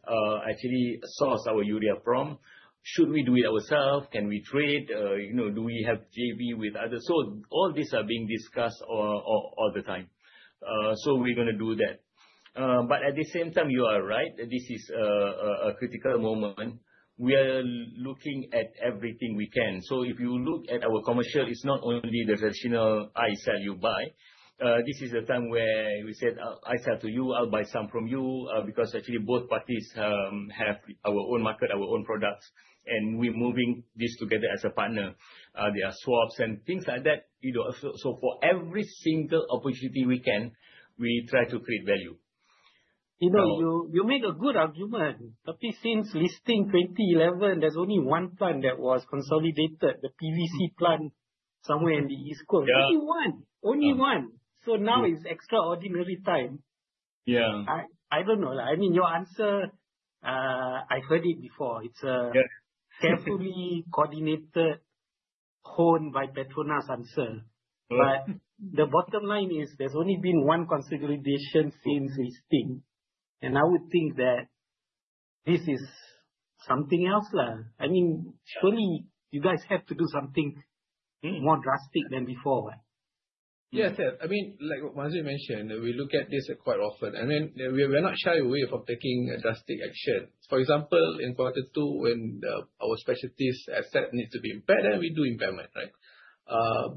actually source our urea from? Should we do it ourselves? Can we trade? You know, do we have JV with others? So all these are being discussed all, all, all the time. So we're gonna do that. But at the same time, you are right. This is a critical moment. We are looking at everything we can. So if you look at our commercial, it's not only the traditional, I sell, you buy. This is a time where we said, "I sell to you, I'll buy some from you," because actually both parties have our own market, our own products, and we're moving this together as a partner. There are swaps and things like that, you know, so for every single opportunity we can, we try to create value. You know, you- Um- You make a good argument, but since listing 2011, there's only one plant that was consolidated, the PVC plant somewhere in the East Coast. Yeah. Only one. Only one. Yeah. So now it's extraordinary time. Yeah. I don't know. I mean, your answer, I've heard it before. Yeah. It's a carefully coordinated, honed by PETRONAS answer. Right. The bottom line is, there's only been one consolidation since listing, and I would think that this is something else now. I mean, surely you guys have to do something more drastic than before. ... Yes, yeah. I mean, like Mazuin mentioned, we look at this quite often, and then we, we are not shy away from taking drastic action. For example, in Q2, when our specialties asset needs to be impaired, and we do impairment, right?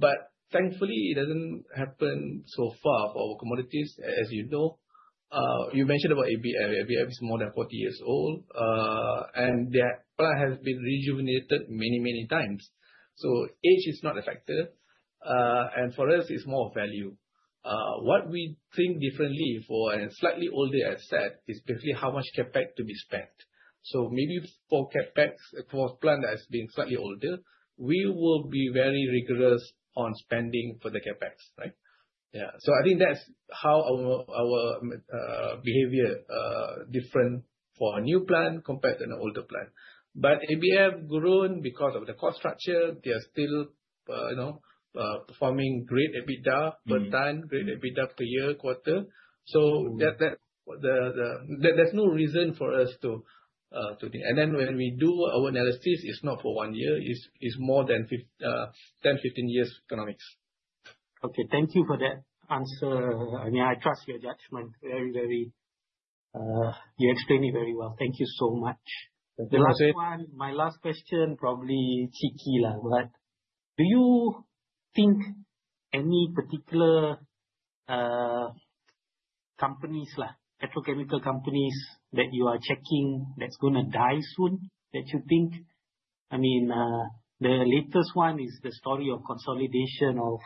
But thankfully, it doesn't happen so far for our commodities, as you know. You mentioned about ABF. ABF is more than 40 years old, and their plant has been rejuvenated many, many times. So age is not a factor, and for us, it's more value. What we think differently for a slightly older asset is basically how much CapEx to be spent. So maybe for CapEx, for a plant that's being slightly older, we will be very rigorous on spending for the CapEx, right? Yeah. So I think that's how our behavior different for a new plant compared to an older plant. But ABF grown because of the cost structure. They are still, you know, performing great EBITDA per ton, great EBITDA per year, quarter. So that there's no reason for us to. And then when we do our analysis, it's not for one year. It's more than 10, 15 years economics. Okay, thank you for that answer. I mean, I trust your judgment very, very. You explain it very well. Thank you so much. Thank you, Mohsin. My last one, my last question, probably cheeky, but do you think any particular companies, like petrochemical companies, that you are checking that's gonna die soon, that you think? I mean, the latest one is the story of consolidation of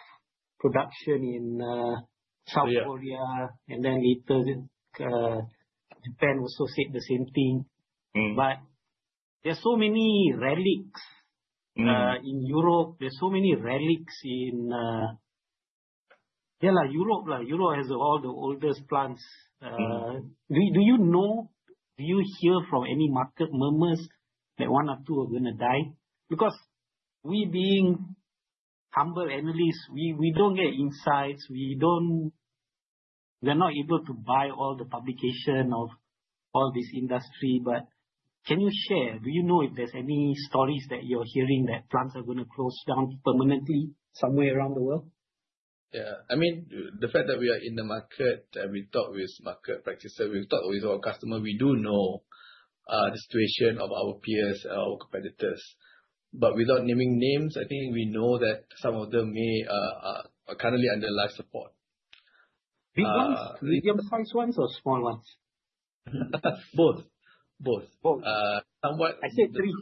production in, Yeah... South Korea, and then later, Japan also said the same thing. Mm. But there are so many relics- Mm... in Europe. There are so many relics in, yeah, like Europe. Like Europe has all the oldest plants. Mm. Do you know, do you hear from any market murmurs that one or two are gonna die? Because we being humble analysts, we don't get insights, we don't. We're not able to buy all the publication of all this industry. But can you share, do you know if there's any stories that you're hearing that plants are gonna close down permanently somewhere around the world? Yeah. I mean, the fact that we are in the market, we talk with market practitioners, we talk with our customers, we do know the situation of our peers, our competitors. But without naming names, I think we know that some of them may are currently under life support. Big ones, medium-sized ones or small ones? Both. Both. Both. Uh, somewhat- I said 3.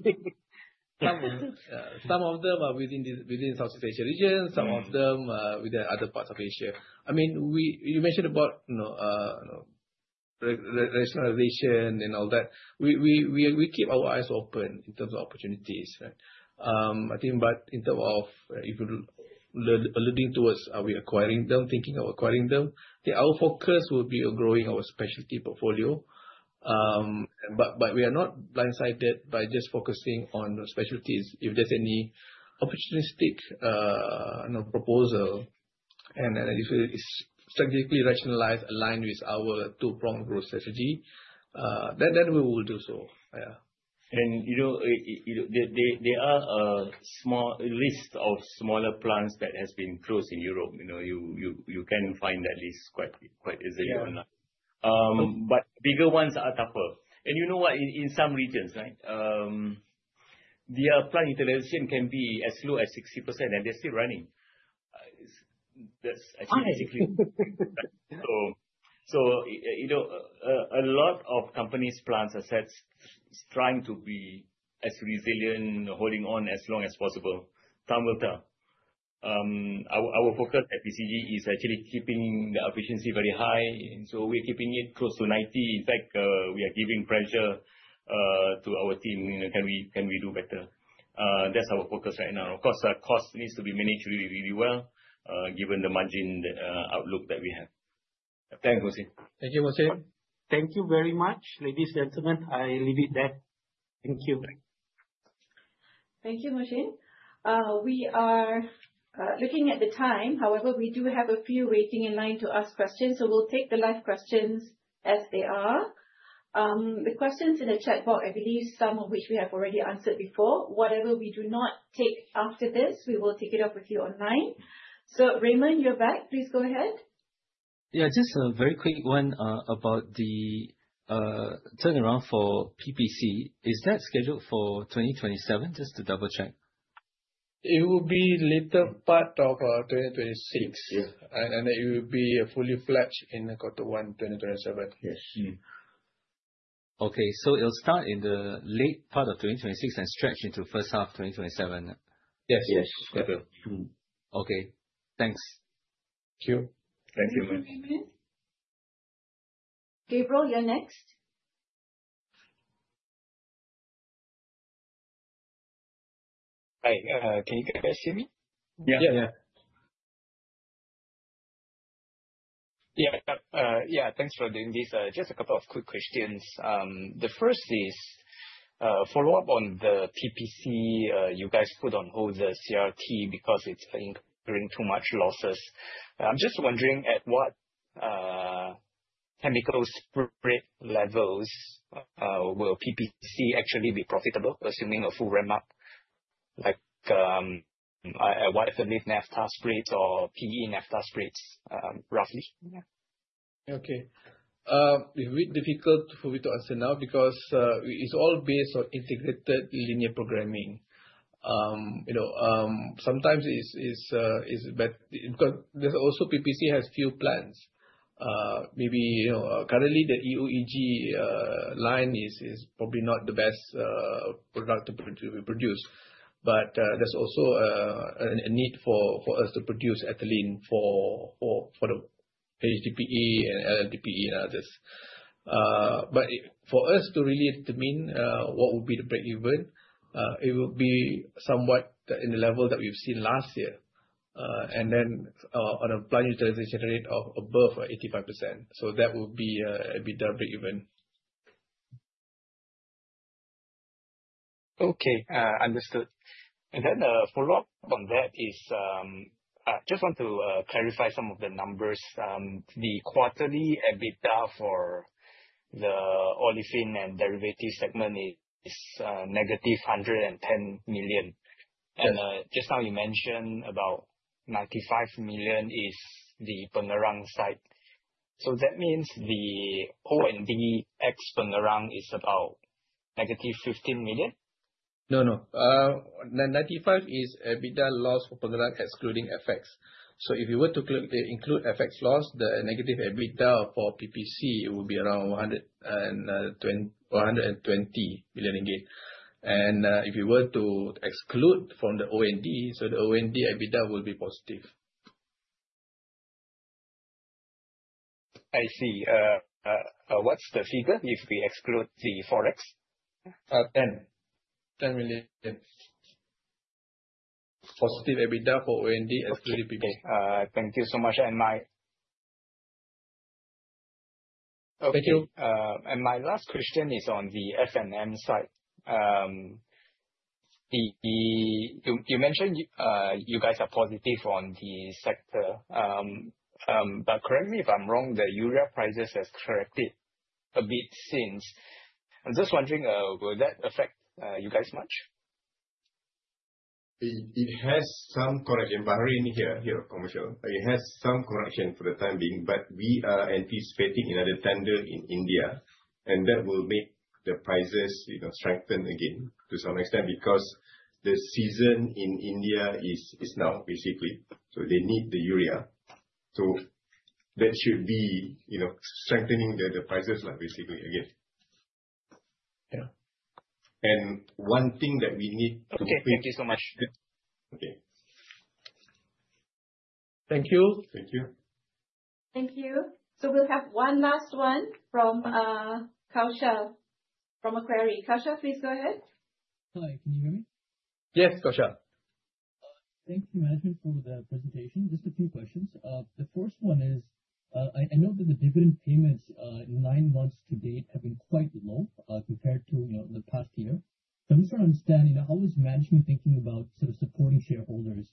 Some of them are within Southeast Asia region. Mm. Some of them within other parts of Asia. I mean, you mentioned about, you know, rationalization and all that. We keep our eyes open in terms of opportunities, right? I think, but in terms of if you looking towards, are we acquiring them, thinking of acquiring them, I think our focus will be on growing our specialty portfolio. But we are not blindsided by just focusing on the specialties. If there's any opportunistic, you know, proposal, and if it is strategically rationalized, aligned with our two-pronged growth strategy, then we will do so. Yeah. You know, you know, there are a small list of smaller plants that has been closed in Europe. You know, you can find that list quite easily online. Yeah. But bigger ones are tougher. And you know what, in some regions, right, their plant utilization can be as low as 60%, and they're still running. That's actually- Why? So, you know, a lot of companies, plants, assets, trying to be as resilient, holding on as long as possible. Time will tell. Our focus at PCG is actually keeping the efficiency very high, and so we're keeping it close to 90. In fact, we are giving pressure to our team. You know, can we do better? That's our focus right now. Of course, our cost needs to be managed really, really well, given the margin outlook that we have. Thanks, Mohsin. Thank you, Mohsin. Thank you very much, ladies and gentlemen. I leave it there. Thank you. Thank you, Mohsin. We are looking at the time. However, we do have a few waiting in line to ask questions, so we'll take the live questions as they are. The questions in the chat box, I believe some of which we have already answered before. Whatever we do not take after this, we will take it up with you online. So, Raymond, you're back. Please go ahead. Yeah, just a very quick one, about the turnaround for PPC. Is that scheduled for 2027? Just to double check. It will be later part of 2026. Yes. It will be fully fledged in quarter one, 2027. Yes. Okay, so it'll start in the late part of 2026 and stretch into H1 of 2027? Yes. Yes, correct. Mm. Okay. Thanks. Thank you. Thank you, Raymond. Gabriel, you're next. Hi, can you guys hear me? Yeah. Yeah, yeah. Yeah. Yeah, thanks for doing this. Just a couple of quick questions. The first is, follow-up on the PPC. You guys put on hold the CRT because it's bringing too much losses. I'm just wondering at what,... chemicals spread levels, will PPC actually be profitable, assuming a full ramp up, like, what are the mid naphtha spreads or PE naphtha spreads, roughly? Yeah. Okay. It's a bit difficult for me to answer now, because it's all based on integrated linear programming. You know, sometimes it's bad because there's also PPC has few plants. Maybe, you know, currently the EOEG line is probably not the best product to produce. But there's also a need for us to produce ethylene for the HDPE and LDPE and others. But for us to really determine what would be the breakeven, it would be somewhat in the level that we've seen last year, and then on a plant utilization rate of above 85%. So that would be EBITDA breakeven. Okay, understood. A follow-up on that is, I just want to clarify some of the numbers. The quarterly EBITDA for the Olefins and Derivatives segment is -110 million. Yes. Just now you mentioned about 95 million is the Pengerang site. That means the O&D ex Pengerang is about -15 million? No, no. 95 is EBITDA loss for Pengerang, excluding FX. So if you were to include FX loss, the negative EBITDA for PPC, it would be around 120 million ringgit. And, if you were to exclude from the O&D, so the O&D, EBITDA will be positive. I see. What's the figure if we exclude the Forex? MYR 10 million positive EBITDA for O&D, excluding PPC. Okay. Thank you so much. And my- Thank you. My last question is on the F&M side. You mentioned you guys are positive on the sector. But correct me if I'm wrong, the urea prices has corrected a bit since. I'm just wondering, will that affect you guys much? It has some correction, but only in here commercial. It has some correction for the time being, but we are anticipating another tender in India, and that will make the prices, you know, strengthen again to some extent, because the season in India is now, basically, so they need the urea. So that should be, you know, strengthening the prices like basically again. Yeah. And one thing that we need to- Okay, thank you so much. Okay. Thank you. Thank you. Thank you. So we'll have one last one from Kaushal from Macquarie. Kaushal, please go ahead. Hi, can you hear me? Yes, Kaushal. Thank you, management, for the presentation. Just a few questions. The first one is, I know that the dividend payments in nine months to date have been quite low, compared to, you know, the past year. So I'm just trying to understand, you know, how is management thinking about sort of supporting shareholders?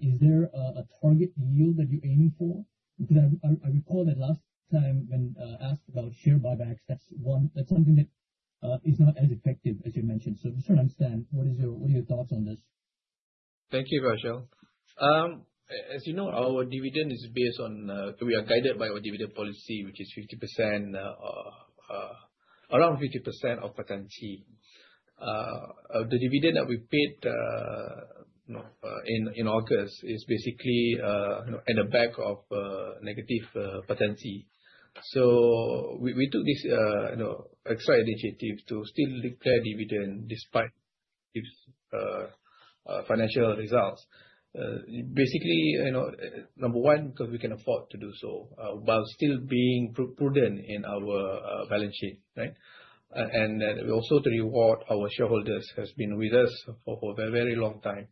Is there a target yield that you're aiming for? Because I recall that last time when asked about share buybacks, that's one- that's something that is not as effective, as you mentioned. So just to understand, what is your- what are your thoughts on this? Thank you, Kaushal. As you know, our dividend is based on, we are guided by our dividend policy, which is 50%, around 50% of PAT. The dividend that we paid, you know, in August is basically, you know, in the back of, negative PAT. So we took this, you know, extra initiative to still declare dividend despite its financial results. Basically, you know, number one, because we can afford to do so, while still being prudent in our balance sheet, right? And then also to reward our shareholders who has been with us for a very long time.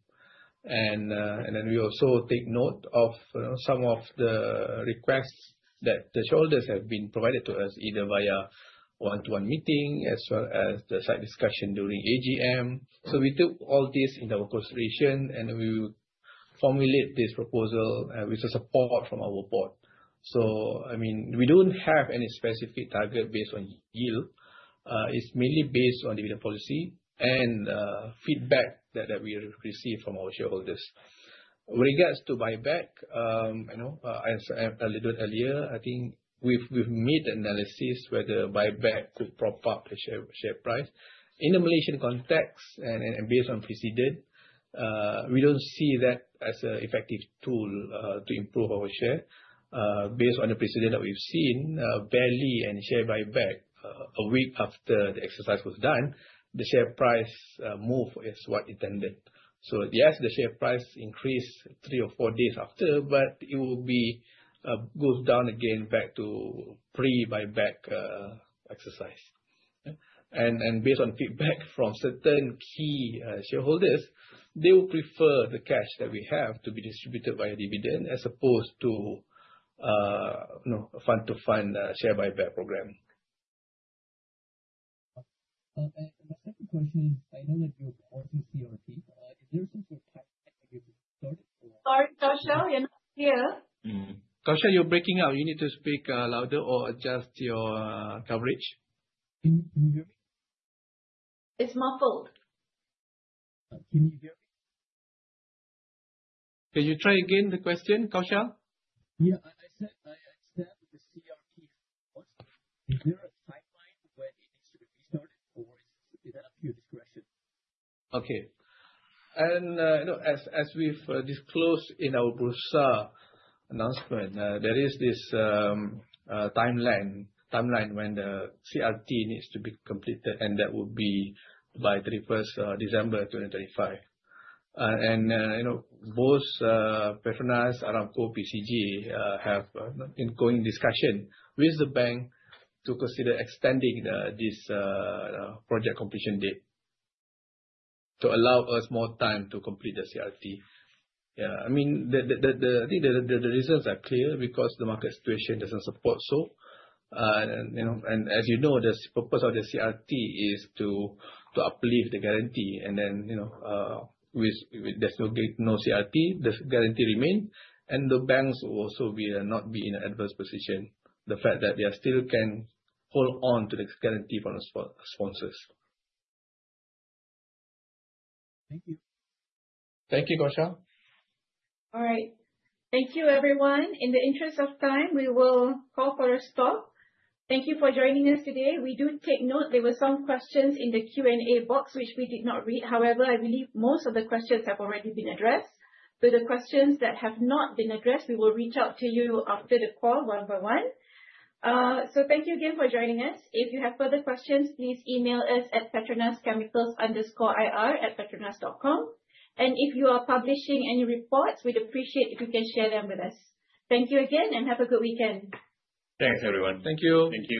And then we also take note of, you know, some of the requests that the shareholders have been provided to us, either via one-to-one meeting as well as the side discussion during AGM. So we took all this into consideration, and we formulate this proposal with the support from our board. So, I mean, we don't have any specific target based on yield. It's mainly based on dividend policy and feedback that we receive from our shareholders. With regards to buyback, you know, as I said a little earlier, I think we've made analysis whether buyback could prop up the share price. In the Malaysian context and based on precedent, we don't see that as a effective tool to improve our share. Based on the precedent that we've seen, barely any share buyback a week after the exercise was done, the share price move is what it ended. So yes, the share price increased three or four days after, but it will be, goes down again back to pre-buyback exercise. And, and based on feedback from certain key shareholders, they would prefer the cash that we have to be distributed via dividend, as opposed to, you know, fund-to-fund share buyback program.... The question is, I know that you're pausing CRT. Is there some sort of time that you can start or- Sorry, Kaushal, you're not here. Mm-hmm. Kaushal, you're breaking up. You need to speak louder or adjust your coverage. Can you hear me? It's muffled. Can you hear me? Can you try again the question, Kaushal? Yeah. I, I said I understand the CRT. Is there a timeline when it needs to be restored, or is that up to your discretion? Okay. And, you know, as we've disclosed in our Bursa announcement, there is this timeline when the CRT needs to be completed, and that will be by 31st December 2035. And, you know, both PETRONAS, Aramco, PCG have ongoing discussion with the bank to consider extending this project completion date to allow us more time to complete the CRT. Yeah, I mean, the reasons are clear, because the market situation doesn't support so. You know, as you know, the purpose of the CRT is to uplift the guarantee and then, you know, with no CRT, the guarantee remains, and the banks will also not be in an adverse position. The fact that they still can hold on to this guarantee from the sponsors. Thank you. Thank you, Kaushal. All right. Thank you, everyone. In the interest of time, we will call for a stop. Thank you for joining us today. We do take note there were some questions in the Q&A box which we did not read. However, I believe most of the questions have already been addressed. So the questions that have not been addressed, we will reach out to you after the call one by one. So thank you again for joining us. If you have further questions, please email us at petronaschemicals_ir@petronas.com. And if you are publishing any reports, we'd appreciate if you can share them with us. Thank you again, and have a good weekend. Thanks, everyone. Thank you. Thank you.